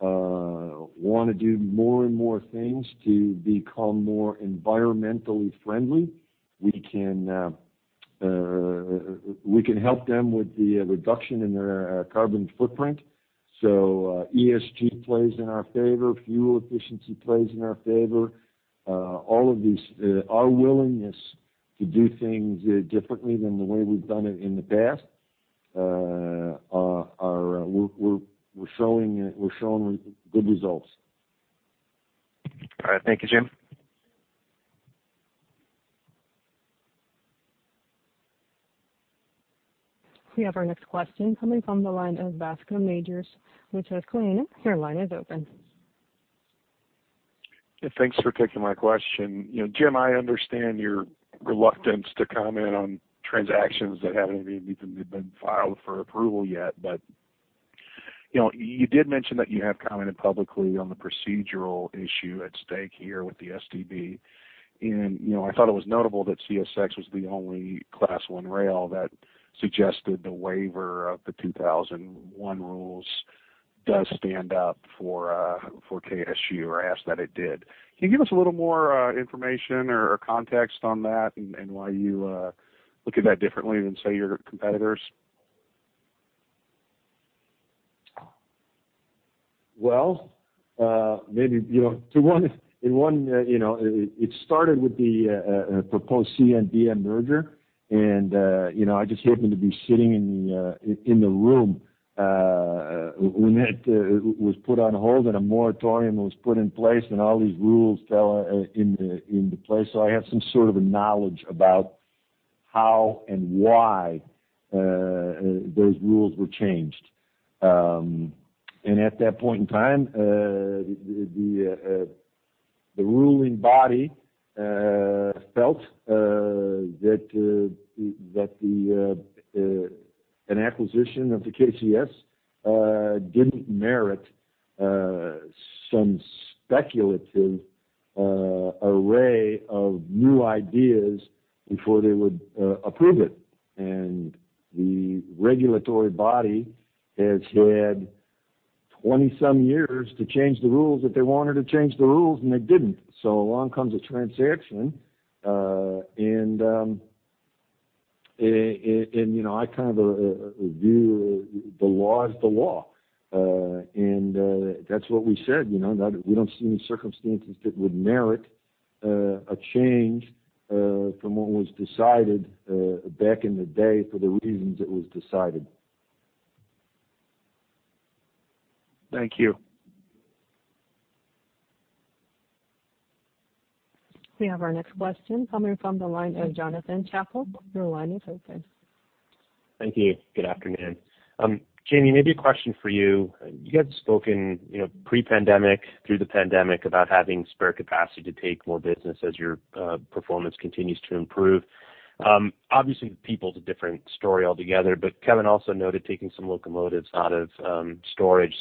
want to do more and more things to become more environmentally friendly. We can help them with the reduction in their carbon footprint. ESG plays in our favor, fuel efficiency plays in our favor. Our willingness to do things differently than the way we've done it in the past, we're showing good results. All right. Thank you, Jim. We have our next question coming from the line of Bascome Majors with Susquehanna. Your line is open. Thanks for taking my question. Jim, I understand your reluctance to comment on transactions that haven't even been filed for approval yet, but you did mention that you have commented publicly on the procedural issue at stake here with the STB. I thought it was notable that CSX was the only Class I rail that suggested the waiver of the 2001 rules does stand up for KSU or asked that it did. Can you give us a little more information or context on that and why you look at that differently than, say, your competitors? Well, it started with the proposed CN-BN merger, and I just happened to be sitting in the room when it was put on hold and a moratorium was put in place and all these rules fell into place. I have some sort of a knowledge about how and why those rules were changed. At that point in time, the ruling body felt that an acquisition of the KCS didn't merit some speculative array of new ideas before they would approve it. The regulatory body has had 20 some years to change the rules if they wanted to change the rules, and they didn't. Along comes a transaction, and I kind of view the law is the law. That's what we said, that we don't see any circumstances that would merit a change from what was decided back in the day for the reasons it was decided. Thank you. We have our next question coming from the line of Jonathan Chappell. Your line is open. Thank you. Good afternoon. Jamie, maybe a question for you. You had spoken pre-pandemic, through the pandemic, about having spare capacity to take more business as your performance continues to improve. Obviously, the people is a different story altogether, but Kevin also noted taking some locomotives out of storage.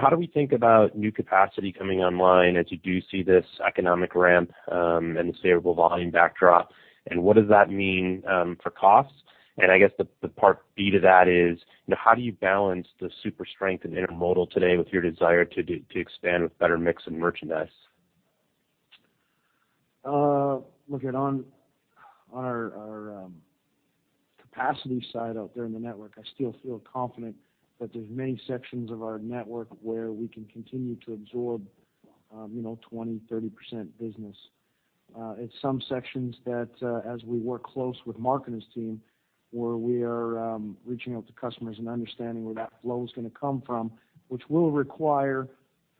How do we think about new capacity coming online as you do see this economic ramp and the favorable volume backdrop? What does that mean for costs? I guess the part B to that is, how do you balance the super strength in intermodal today with your desire to expand with better mix in merchandise? Look, on our capacity side out there in the network, I still feel confident that there's many sections of our network where we can continue to absorb 20%, 30% business. At some sections that, as we work close with Mark and his team, where we are reaching out to customers and understanding where that flow is going to come from, which will require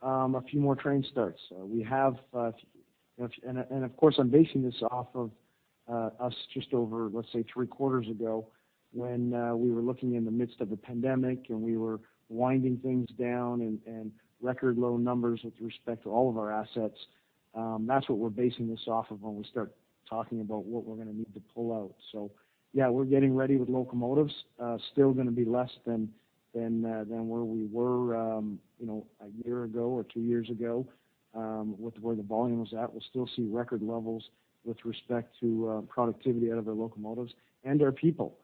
a few more train starts. Of course, I'm basing this off of us just over, let's say, three quarters ago, when we were looking in the midst of the pandemic and we were winding things down and record low numbers with respect to all of our assets. That's what we're basing this off of when we start talking about what we're going to need to pull out. Yeah, we're getting ready with locomotives. Still going to be less than where we were a year ago or two years ago with where the volume was at. We'll still see record levels with respect to productivity out of our locomotives and our people.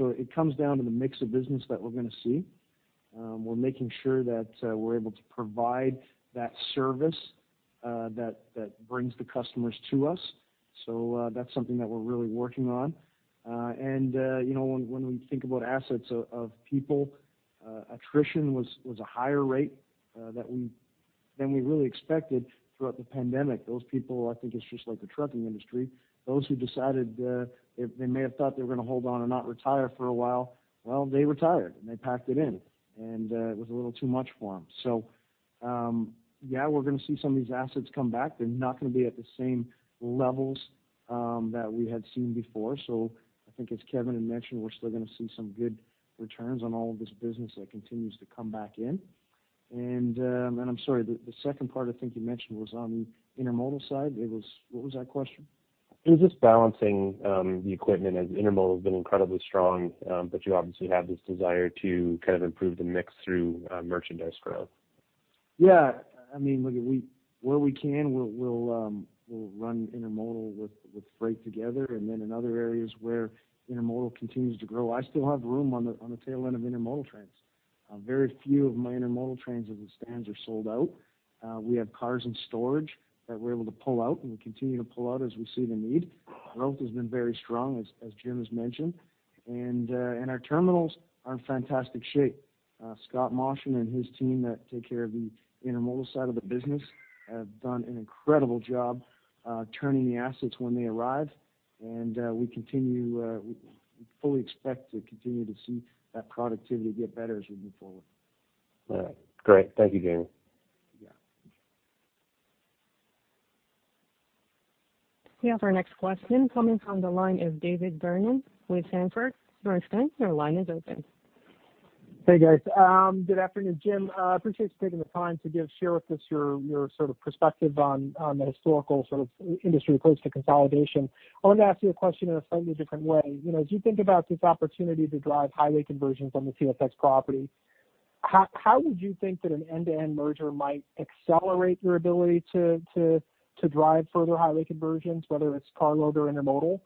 It comes down to the mix of business that we're going to see. We're making sure that we're able to provide that service that brings the customers to us. That's something that we're really working on. When we think about assets of people, attrition was a higher rate than we really expected throughout the pandemic. Those people, I think it's just like the trucking industry. Those who decided they may have thought they were going to hold on and not retire for a while, well, they retired, and they packed it in, and it was a little too much for them. Yeah, we're going to see some of these assets come back. They're not going to be at the same levels that we had seen before. I think as Kevin had mentioned, we're still going to see some good returns on all of this business that continues to come back in. I'm sorry, the second part I think you mentioned was on the intermodal side. What was that question? It was just balancing the equipment as intermodal has been incredibly strong, but you obviously have this desire to improve the mix through merchandise growth. Yeah. Where we can, we'll run intermodal with freight together, and then in other areas where intermodal continues to grow, I still have room on the tail end of intermodal trains. Very few of my intermodal trains, as it stands, are sold out. We have cars in storage that we're able to pull out, and we continue to pull out as we see the need. Growth has been very strong, as Jim has mentioned, and our terminals are in fantastic shape. Scott Moshen and his team that take care of the intermodal side of the business have done an incredible job turning the assets when they arrive, and we fully expect to continue to see that productivity get better as we move forward. All right. Great. Thank you, Jamie. Yeah. We have our next question coming from the line of David Vernon with Sanford Bernstein. Your line is open. Hey, guys. Good afternoon, Jim. I appreciate you taking the time to share with us your perspective on the historical industry approach to consolidation. I wanted to ask you a question in a slightly different way. As you think about this opportunity to drive highway conversions on the CSX property, how would you think that an end-to-end merger might accelerate your ability to drive further highway conversions, whether it's cargo or intermodal?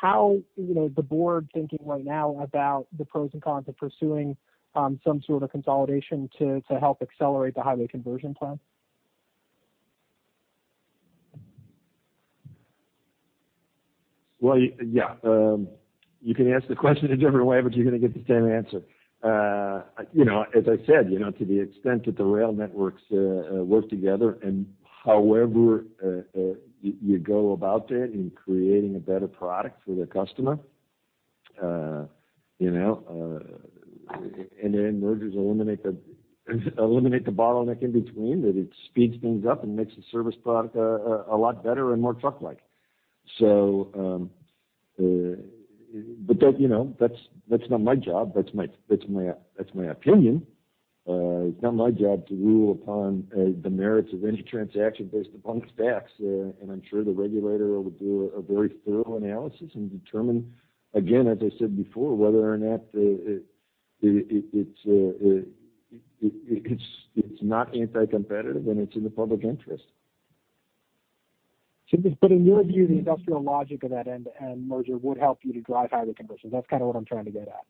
How is the board thinking right now about the pros and cons of pursuing some sort of consolidation to help accelerate the highway conversion plan? Well, yeah. You can ask the question a different way, you're going to get the same answer. As I said, to the extent that the rail networks work together and however you go about that in creating a better product for the customer, end-to-end mergers eliminate the bottleneck in between, that it speeds things up and makes the service product a lot better and more truck-like. That's not my job. That's my opinion. It's not my job to rule upon the merits of any transaction based upon specs. I'm sure the regulator will do a very thorough analysis and determine, again, as I said before, whether or not it's not anti-competitive and it's in the public interest. In your view, the industrial logic of that end-to-end merger would help you to drive highway conversions. That's kind of what I'm trying to get at.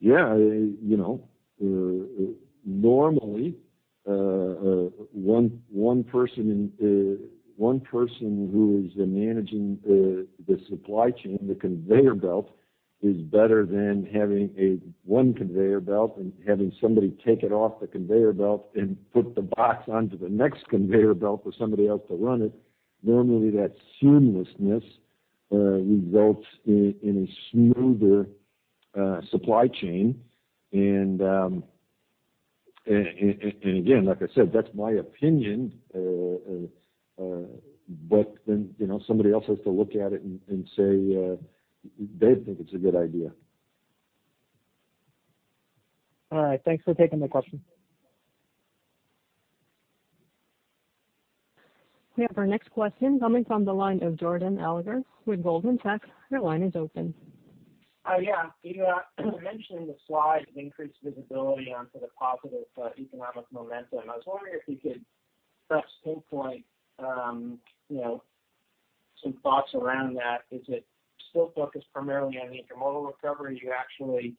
Yeah. Normally, one person who is managing the supply chain, the conveyor belt, is better than having one conveyor belt and having somebody take it off the conveyor belt and put the box onto the next conveyor belt for somebody else to run it. Normally, that seamlessness results in a smoother supply chain. Again, like I said, that's my opinion, but then somebody else has to look at it and say they think it's a good idea. All right. Thanks for taking the question. We have our next question coming from the line of Jordan Alliger with Goldman Sachs. Your line is open. Yeah. You mentioned in the slide increased visibility onto the positive economic momentum. I was wondering if you could perhaps pinpoint some thoughts around that. Is it still focused primarily on the intermodal recovery? Are you actually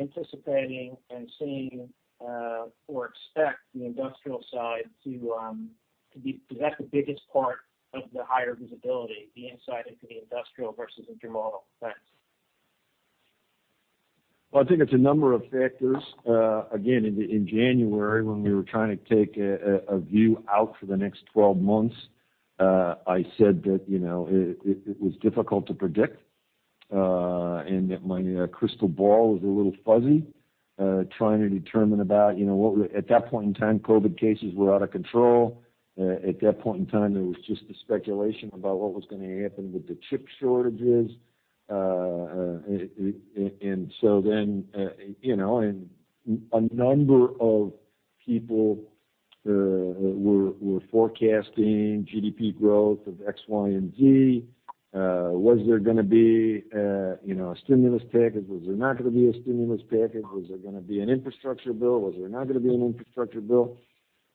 anticipating and seeing or expect the industrial side? Is that the biggest part of the higher visibility, the insight into the industrial versus intermodal effects? Well, I think it's a number of factors. Again, in January, when we were trying to take a view out for the next 12 months, I said that it was difficult to predict and that my crystal ball was a little fuzzy trying to determine. At that point in time, COVID cases were out of control. At that point in time, there was just the speculation about what was going to happen with the chip shortages. A number of people were forecasting GDP growth of X, Y, and Z. Was there going to be a stimulus package? Was there not going to be a stimulus package? Was there going to be an infrastructure bill? Was there not going to be an infrastructure bill?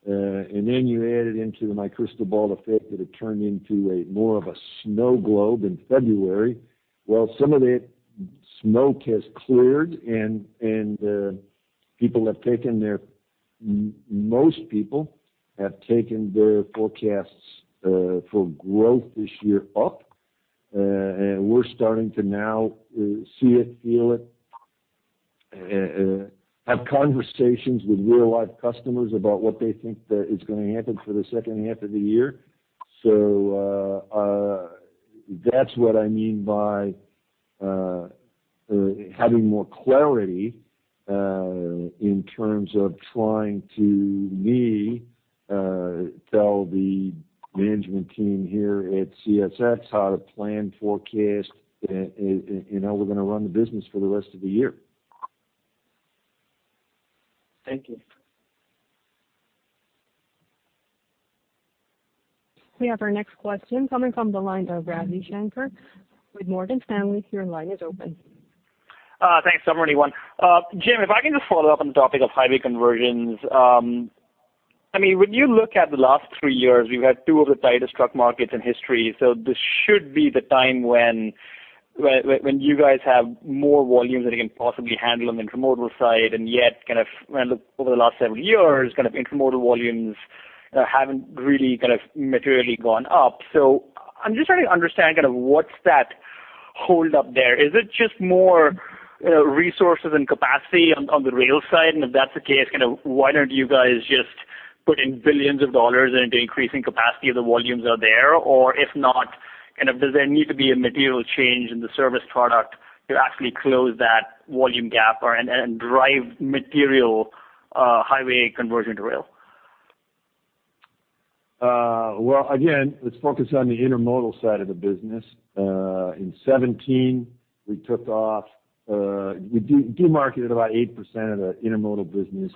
You add it into my crystal ball effect that it turned into a more of a snow globe in February. Well, some of the smoke has cleared, and most people have taken their forecasts for growth this year up. We're starting to now see it, feel it, have conversations with real live customers about what they think that is going to happen for the second half of the year. That's what I mean by having more clarity in terms of trying to, me, tell the management team here at CSX how to plan, forecast, we're going to run the business for the rest of the year. Thank you. We have our next question coming from the line of Ravi Shanker with Morgan Stanley. Your line is open. Thanks. I'm already one. Jim, if I can just follow up on the topic of highway conversions. When you look at the last three years, we've had two of the tightest truck markets in history, this should be the time when you guys have more volume than you can possibly handle on the intermodal side, and yet, when I look over the last several years, intermodal volumes haven't really materially gone up. I'm just trying to understand what's that hold up there. Is it just more resources and capacity on the rail side? If that's the case, why don't you guys just put in billions of dollars into increasing capacity if the volumes are there? If not, does there need to be a material change in the service product to actually close that volume gap or, and drive material highway conversion to rail? Again, let's focus on the intermodal side of the business. In 2017, we demarketed about 8% of the intermodal business.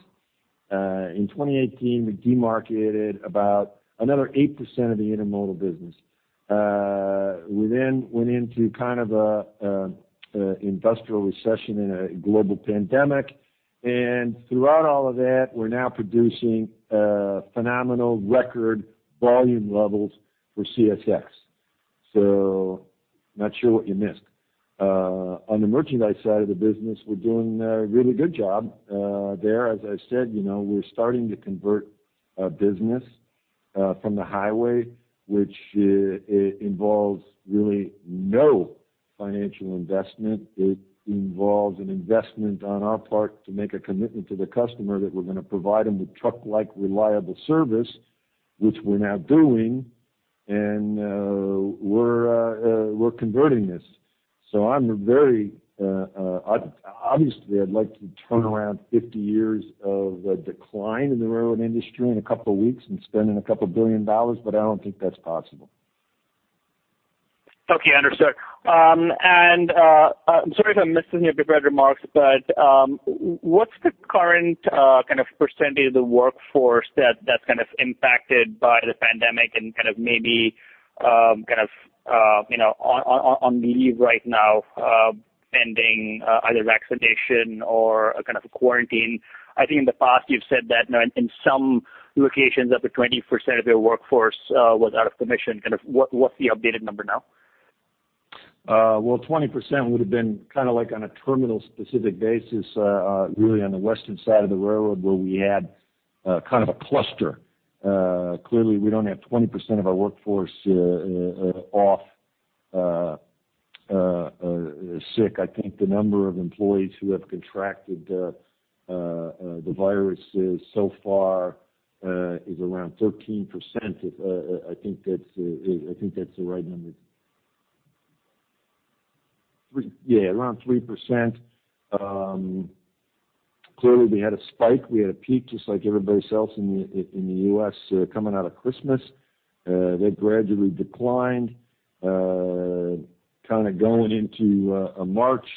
In 2018, we demarketed about another 8% of the intermodal business. We went into an industrial recession and a global pandemic, and throughout all of that, we're now producing phenomenal record volume levels for CSX. I'm not sure what you missed. On the merchandise side of the business, we're doing a really good job there. I said, we're starting to convert business from the highway, which involves really no financial investment. It involves an investment on our part to make a commitment to the customer that we're going to provide them with truck-like reliable service, which we're now doing, and we're converting this. Obviously, I'd like to turn around 50 years of decline in the railroad industry in a couple of weeks and spending a couple of billion dollars, but I don't think that's possible. Okay, understood. I'm sorry if I'm missing your prepared remarks, but what's the current percentage of the workforce that's impacted by the pandemic and maybe on leave right now, pending either vaccination or a quarantine? I think in the past you've said that in some locations, up to 20% of your workforce was out of commission. What's the updated number now? Well, 20% would've been on a terminal specific basis, really on the western side of the railroad where we had a cluster. Clearly, we don't have 20% of our workforce off sick. I think the number of employees who have contracted the virus so far is around 13%. I think that's the right number. Yeah, around 3%. Clearly, we had a spike, we had a peak just like everybody else in the U.S. coming out of Christmas. That gradually declined, going into March.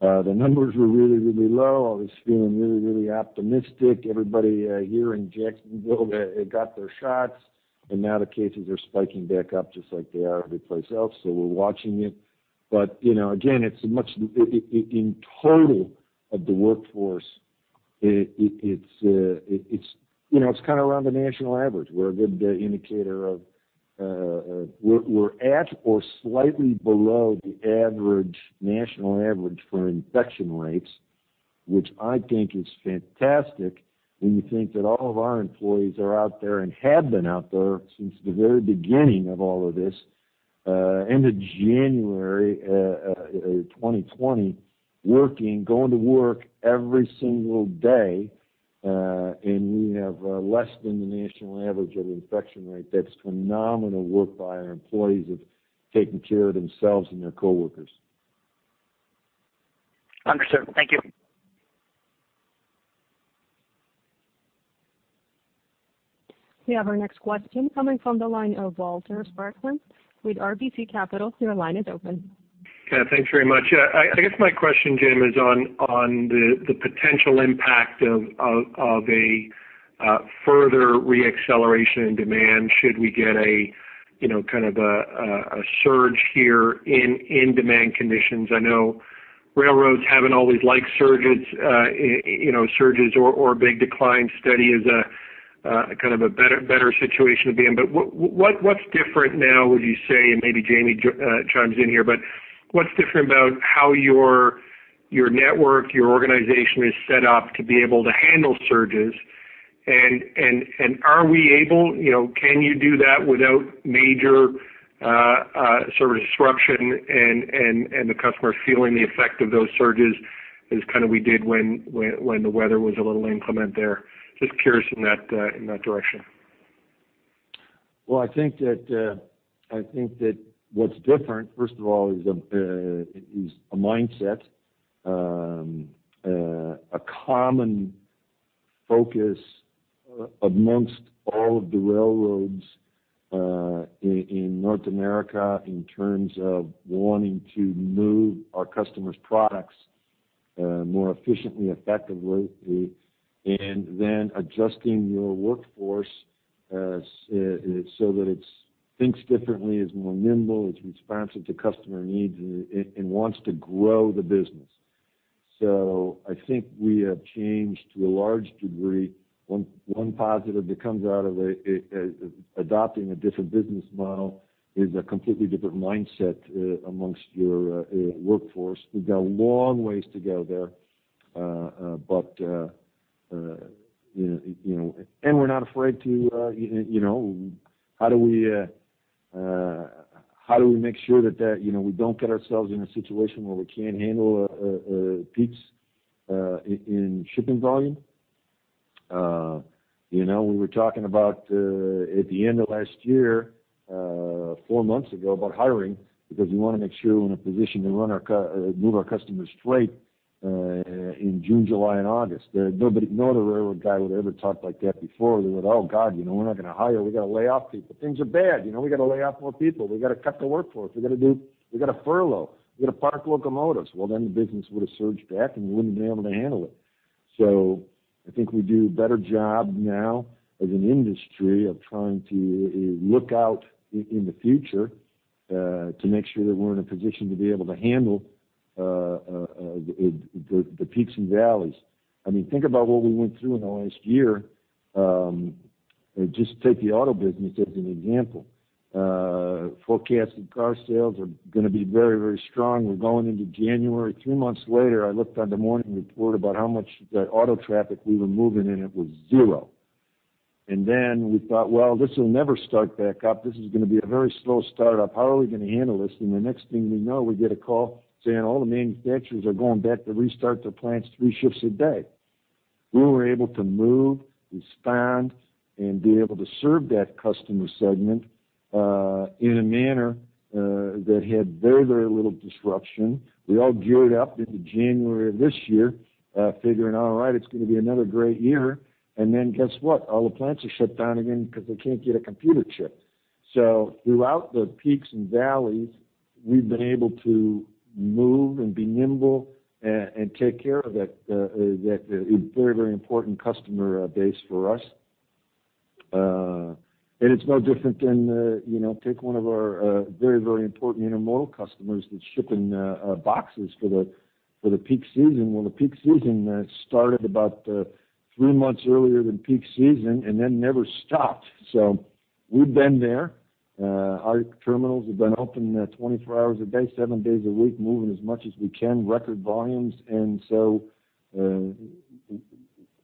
The numbers were really low. I was feeling really optimistic. Everybody here in Jacksonville had got their shots, and now the cases are spiking back up just like they are everyplace else, so we're watching it. Again, in total of the workforce, it's around the national average. We're at or slightly below the average national average for infection rates, which I think is fantastic when you think that all of our employees are out there and have been out there since the very beginning of all of this, end of January 2020, working, going to work every single day, and we have less than the national average of infection rate. That's phenomenal work by our employees of taking care of themselves and their coworkers. Understood. Thank you. We have our next question coming from the line of Walter Spracklin with RBC Capital Markets. Your line is open. Yeah. Thanks very much. I guess my question, Jim, is on the potential impact of a further re-acceleration in demand should we get a surge here in demand conditions. I know railroads haven't always liked surges or big declines. Steady is a better situation to be in. What's different now, would you say, and maybe Jamie chimes in here, but what's different about how your network, your organization is set up to be able to handle surges? Can you do that without major service disruption and the customer feeling the effect of those surges as we did when the weather was a little inclement there? Just curious in that direction. I think that what's different, first of all, is a mindset, a common focus amongst all of the railroads in North America in terms of wanting to move our customers' products more efficiently, effectively, and then adjusting your workforce so that it thinks differently, is more nimble, it's responsive to customer needs, and wants to grow the business. I think we have changed to a large degree. One positive that comes out of adopting a different business model is a completely different mindset amongst your workforce. We've got a long ways to go there. How do we make sure that we don't get ourselves in a situation where we can't handle peaks in shipping volume? We were talking about at the end of last year, four months ago, about hiring because we want to make sure we're in a position to move our customers freight in June, July, and August. No other railroad guy would've ever talked like that before. They went, "Oh, God, we're not going to hire. We've got to lay off people. Things are bad. We've got to lay off more people. We've got to cut the workforce. We've got to furlough. We've got to park locomotives." The business would've surged back, and we wouldn't have been able to handle it. I think we do a better job now as an industry of trying to look out in the future to make sure that we're in a position to be able to handle the peaks and valleys. Think about what we went through in the last year. Just take the auto business as an example. Forecasted car sales are going to be very, very strong. We're going into January. Three months later, I looked at the morning report about how much auto traffic we were moving, and it was zero. We thought, well, this will never start back up. This is going to be a very slow start up. How are we going to handle this? The next thing we know, we get a call saying all the manufacturers are going back to restart their plants three shifts a day. We were able to move, respond, and be able to serve that customer segment in a manner that had very little disruption. We all geared up into January of this year, figuring, all right, it's going to be another great year. Guess what? All the plants are shut down again because they can't get a computer chip. Throughout the peaks and valleys, we've been able to move and be nimble and take care of that very important customer base for us. It's no different than take one of our very important intermodal customers that's shipping boxes for the peak season. Well, the peak season started about three months earlier than peak season never stopped. We've been there. Our terminals have been open 24 hours a day, seven days a week, moving as much as we can, record volumes.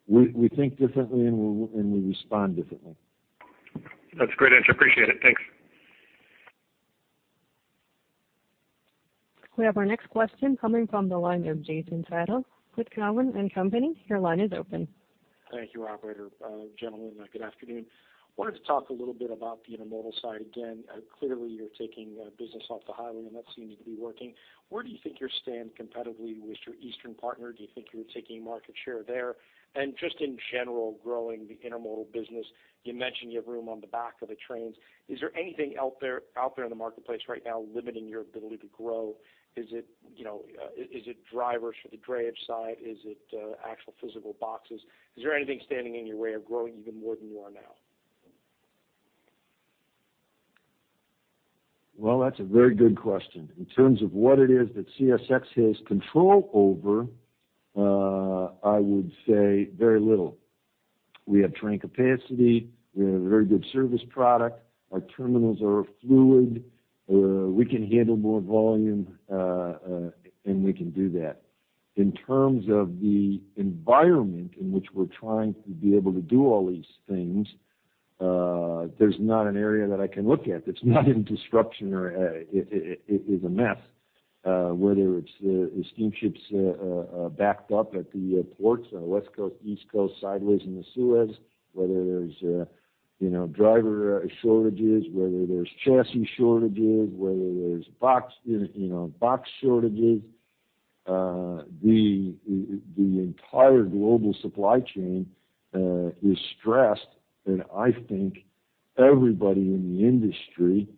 We think differently, and we respond differently. That's a great answer. Appreciate it. Thanks. We have our next question coming from the line of Jason Seidl with Cowen and Company. Your line is open. Thank you, operator. Gentlemen, good afternoon. Wanted to talk a little bit about the intermodal side again. Clearly, you're taking business off the highway, and that seems to be working. Where do you think you stand competitively with your eastern partner? Do you think you're taking market share there? Just in general, growing the intermodal business, you mentioned you have room on the back of the trains. Is there anything out there in the marketplace right now limiting your ability to grow? Is it drivers for the drayage side? Is it actual physical boxes? Is there anything standing in your way of growing even more than you are now? Well, that's a very good question. In terms of what it is that CSX has control over, I would say very little. We have train capacity. We have a very good service product. Our terminals are fluid. We can handle more volume, and we can do that. In terms of the environment in which we're trying to be able to do all these things, there's not an area that I can look at that's not in disruption or is a mess. Whether it's the steamships backed up at the ports on the West Coast, East Coast, sideways in the Suez, whether there's driver shortages, whether there's chassis shortages, whether there's box shortages. The entire global supply chain is stressed. I think everybody in the industry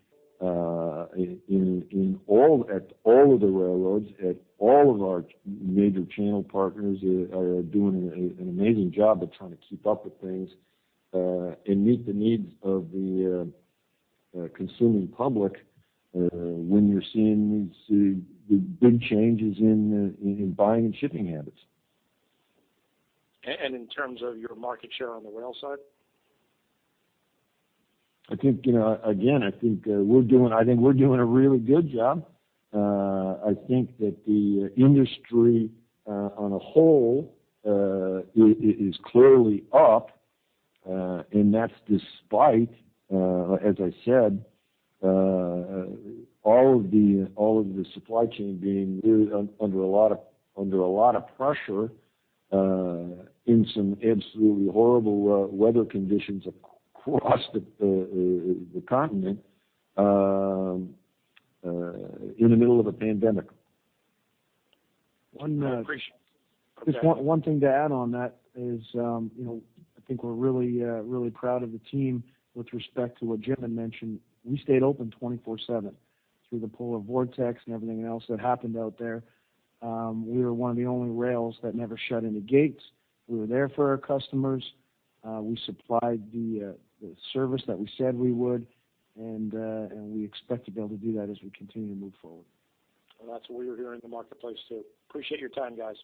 at all of the railroads, at all of our major channel partners, are doing an amazing job of trying to keep up with things and meet the needs of the consuming public when you're seeing these big changes in buying and shipping habits. In terms of your market share on the rail side? I think we're doing a really good job. I think that the industry on a whole is clearly up, that's despite, as I said, all of the supply chain being really under a lot of pressure in some absolutely horrible weather conditions across the continent in the middle of a pandemic. I appreciate that. One thing to add on that is, I think we're really proud of the team with respect to what Jim had mentioned. We stayed open 24/7 through the polar vortex and everything else that happened out there. We were one of the only rails that never shut any gates. We were there for our customers. We supplied the service that we said we would, and we expect to be able to do that as we continue to move forward. Well, that's what we were hearing in the marketplace, too. Appreciate your time, guys.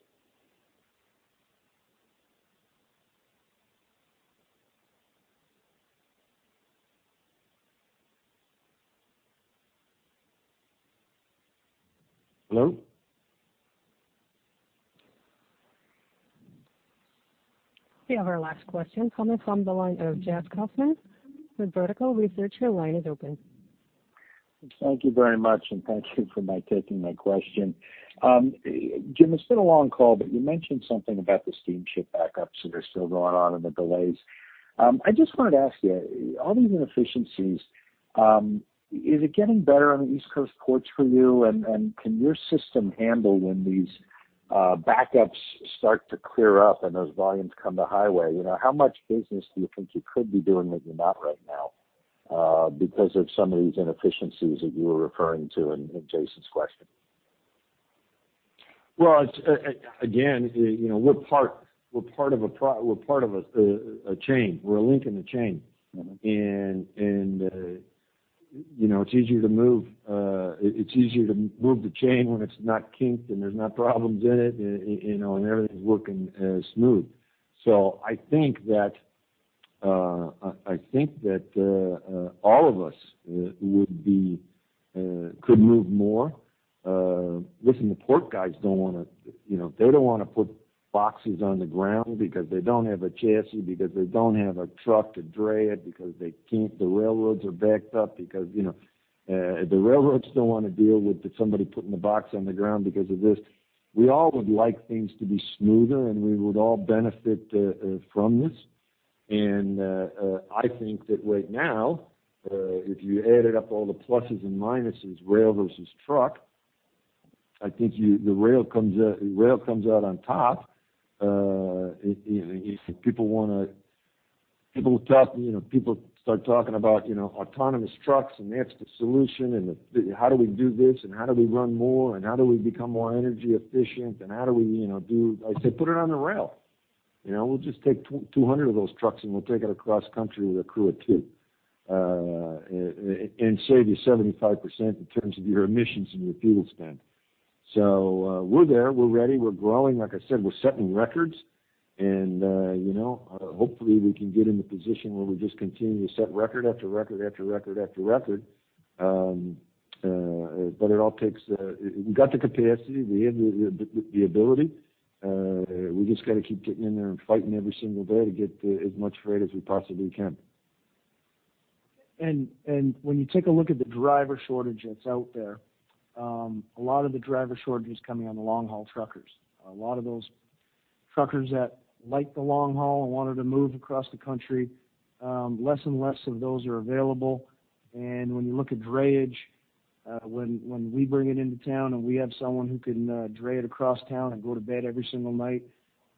Hello? We have our last question coming from the line of Jeffrey Kauffman with Vertical Research. Your line is open. Thank you very much, and thank you for taking my question. Jim, it's been a long call, but you mentioned something about the steamship backups that are still going on and the delays. I just wanted to ask you, all these inefficiencies, is it getting better on the East Coast ports for you? Can your system handle when these backups start to clear up and those volumes come to highway? How much business do you think you could be doing that you're not right now because of some of these inefficiencies that you were referring to in Jason's question? Well, again, we're part of a chain. We're a link in the chain. It's easier to move the chain when it's not kinked and there's no problems in it, and everything's looking smooth. I think that all of us could move more. Listen, the port guys don't want to put boxes on the ground because they don't have a chassis, because they don't have a truck to dray it, because the railroads are backed up, because the railroads don't want to deal with somebody putting the box on the ground because of this. We all would like things to be smoother, and we would all benefit from this. I think that right now, if you added up all the pluses and minuses, rail versus truck, I think the rail comes out on top. People start talking about autonomous trucks, and that's the solution, and how do we do this, and how do we run more, and how do we become more energy efficient, and how do we do I say put it on the rail. We'll just take 200 of those trucks, and we'll take it across country with a crew of two and save you 75% in terms of your emissions and your fuel spend. We're there. We're ready. We're growing. Like I said, we're setting records, and hopefully we can get in the position where we just continue to set record after record after record after record. We've got the capacity. We have the ability. We just got to keep getting in there and fighting every single day to get as much freight as we possibly can. When you take a look at the driver shortage that's out there, a lot of the driver shortage is coming on the long-haul truckers. A lot of those truckers that like the long haul and wanted to move across the country, less and less of those are available. When you look at drayage, when we bring it into town and we have someone who can dray it across town and go to bed every single night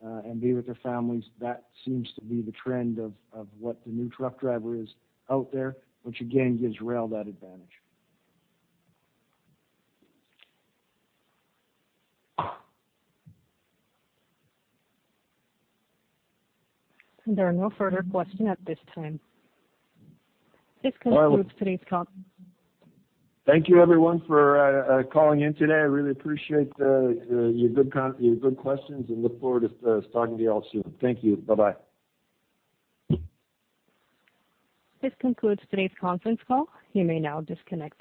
and be with their families, that seems to be the trend of what the new truck driver is out there, which again, gives rail that advantage. There are no further questions at this time. This concludes today's call. Thank you everyone for calling in today. I really appreciate your good questions and look forward to talking to you all soon. Thank you. Bye-bye. This concludes today's conference call. You may now disconnect.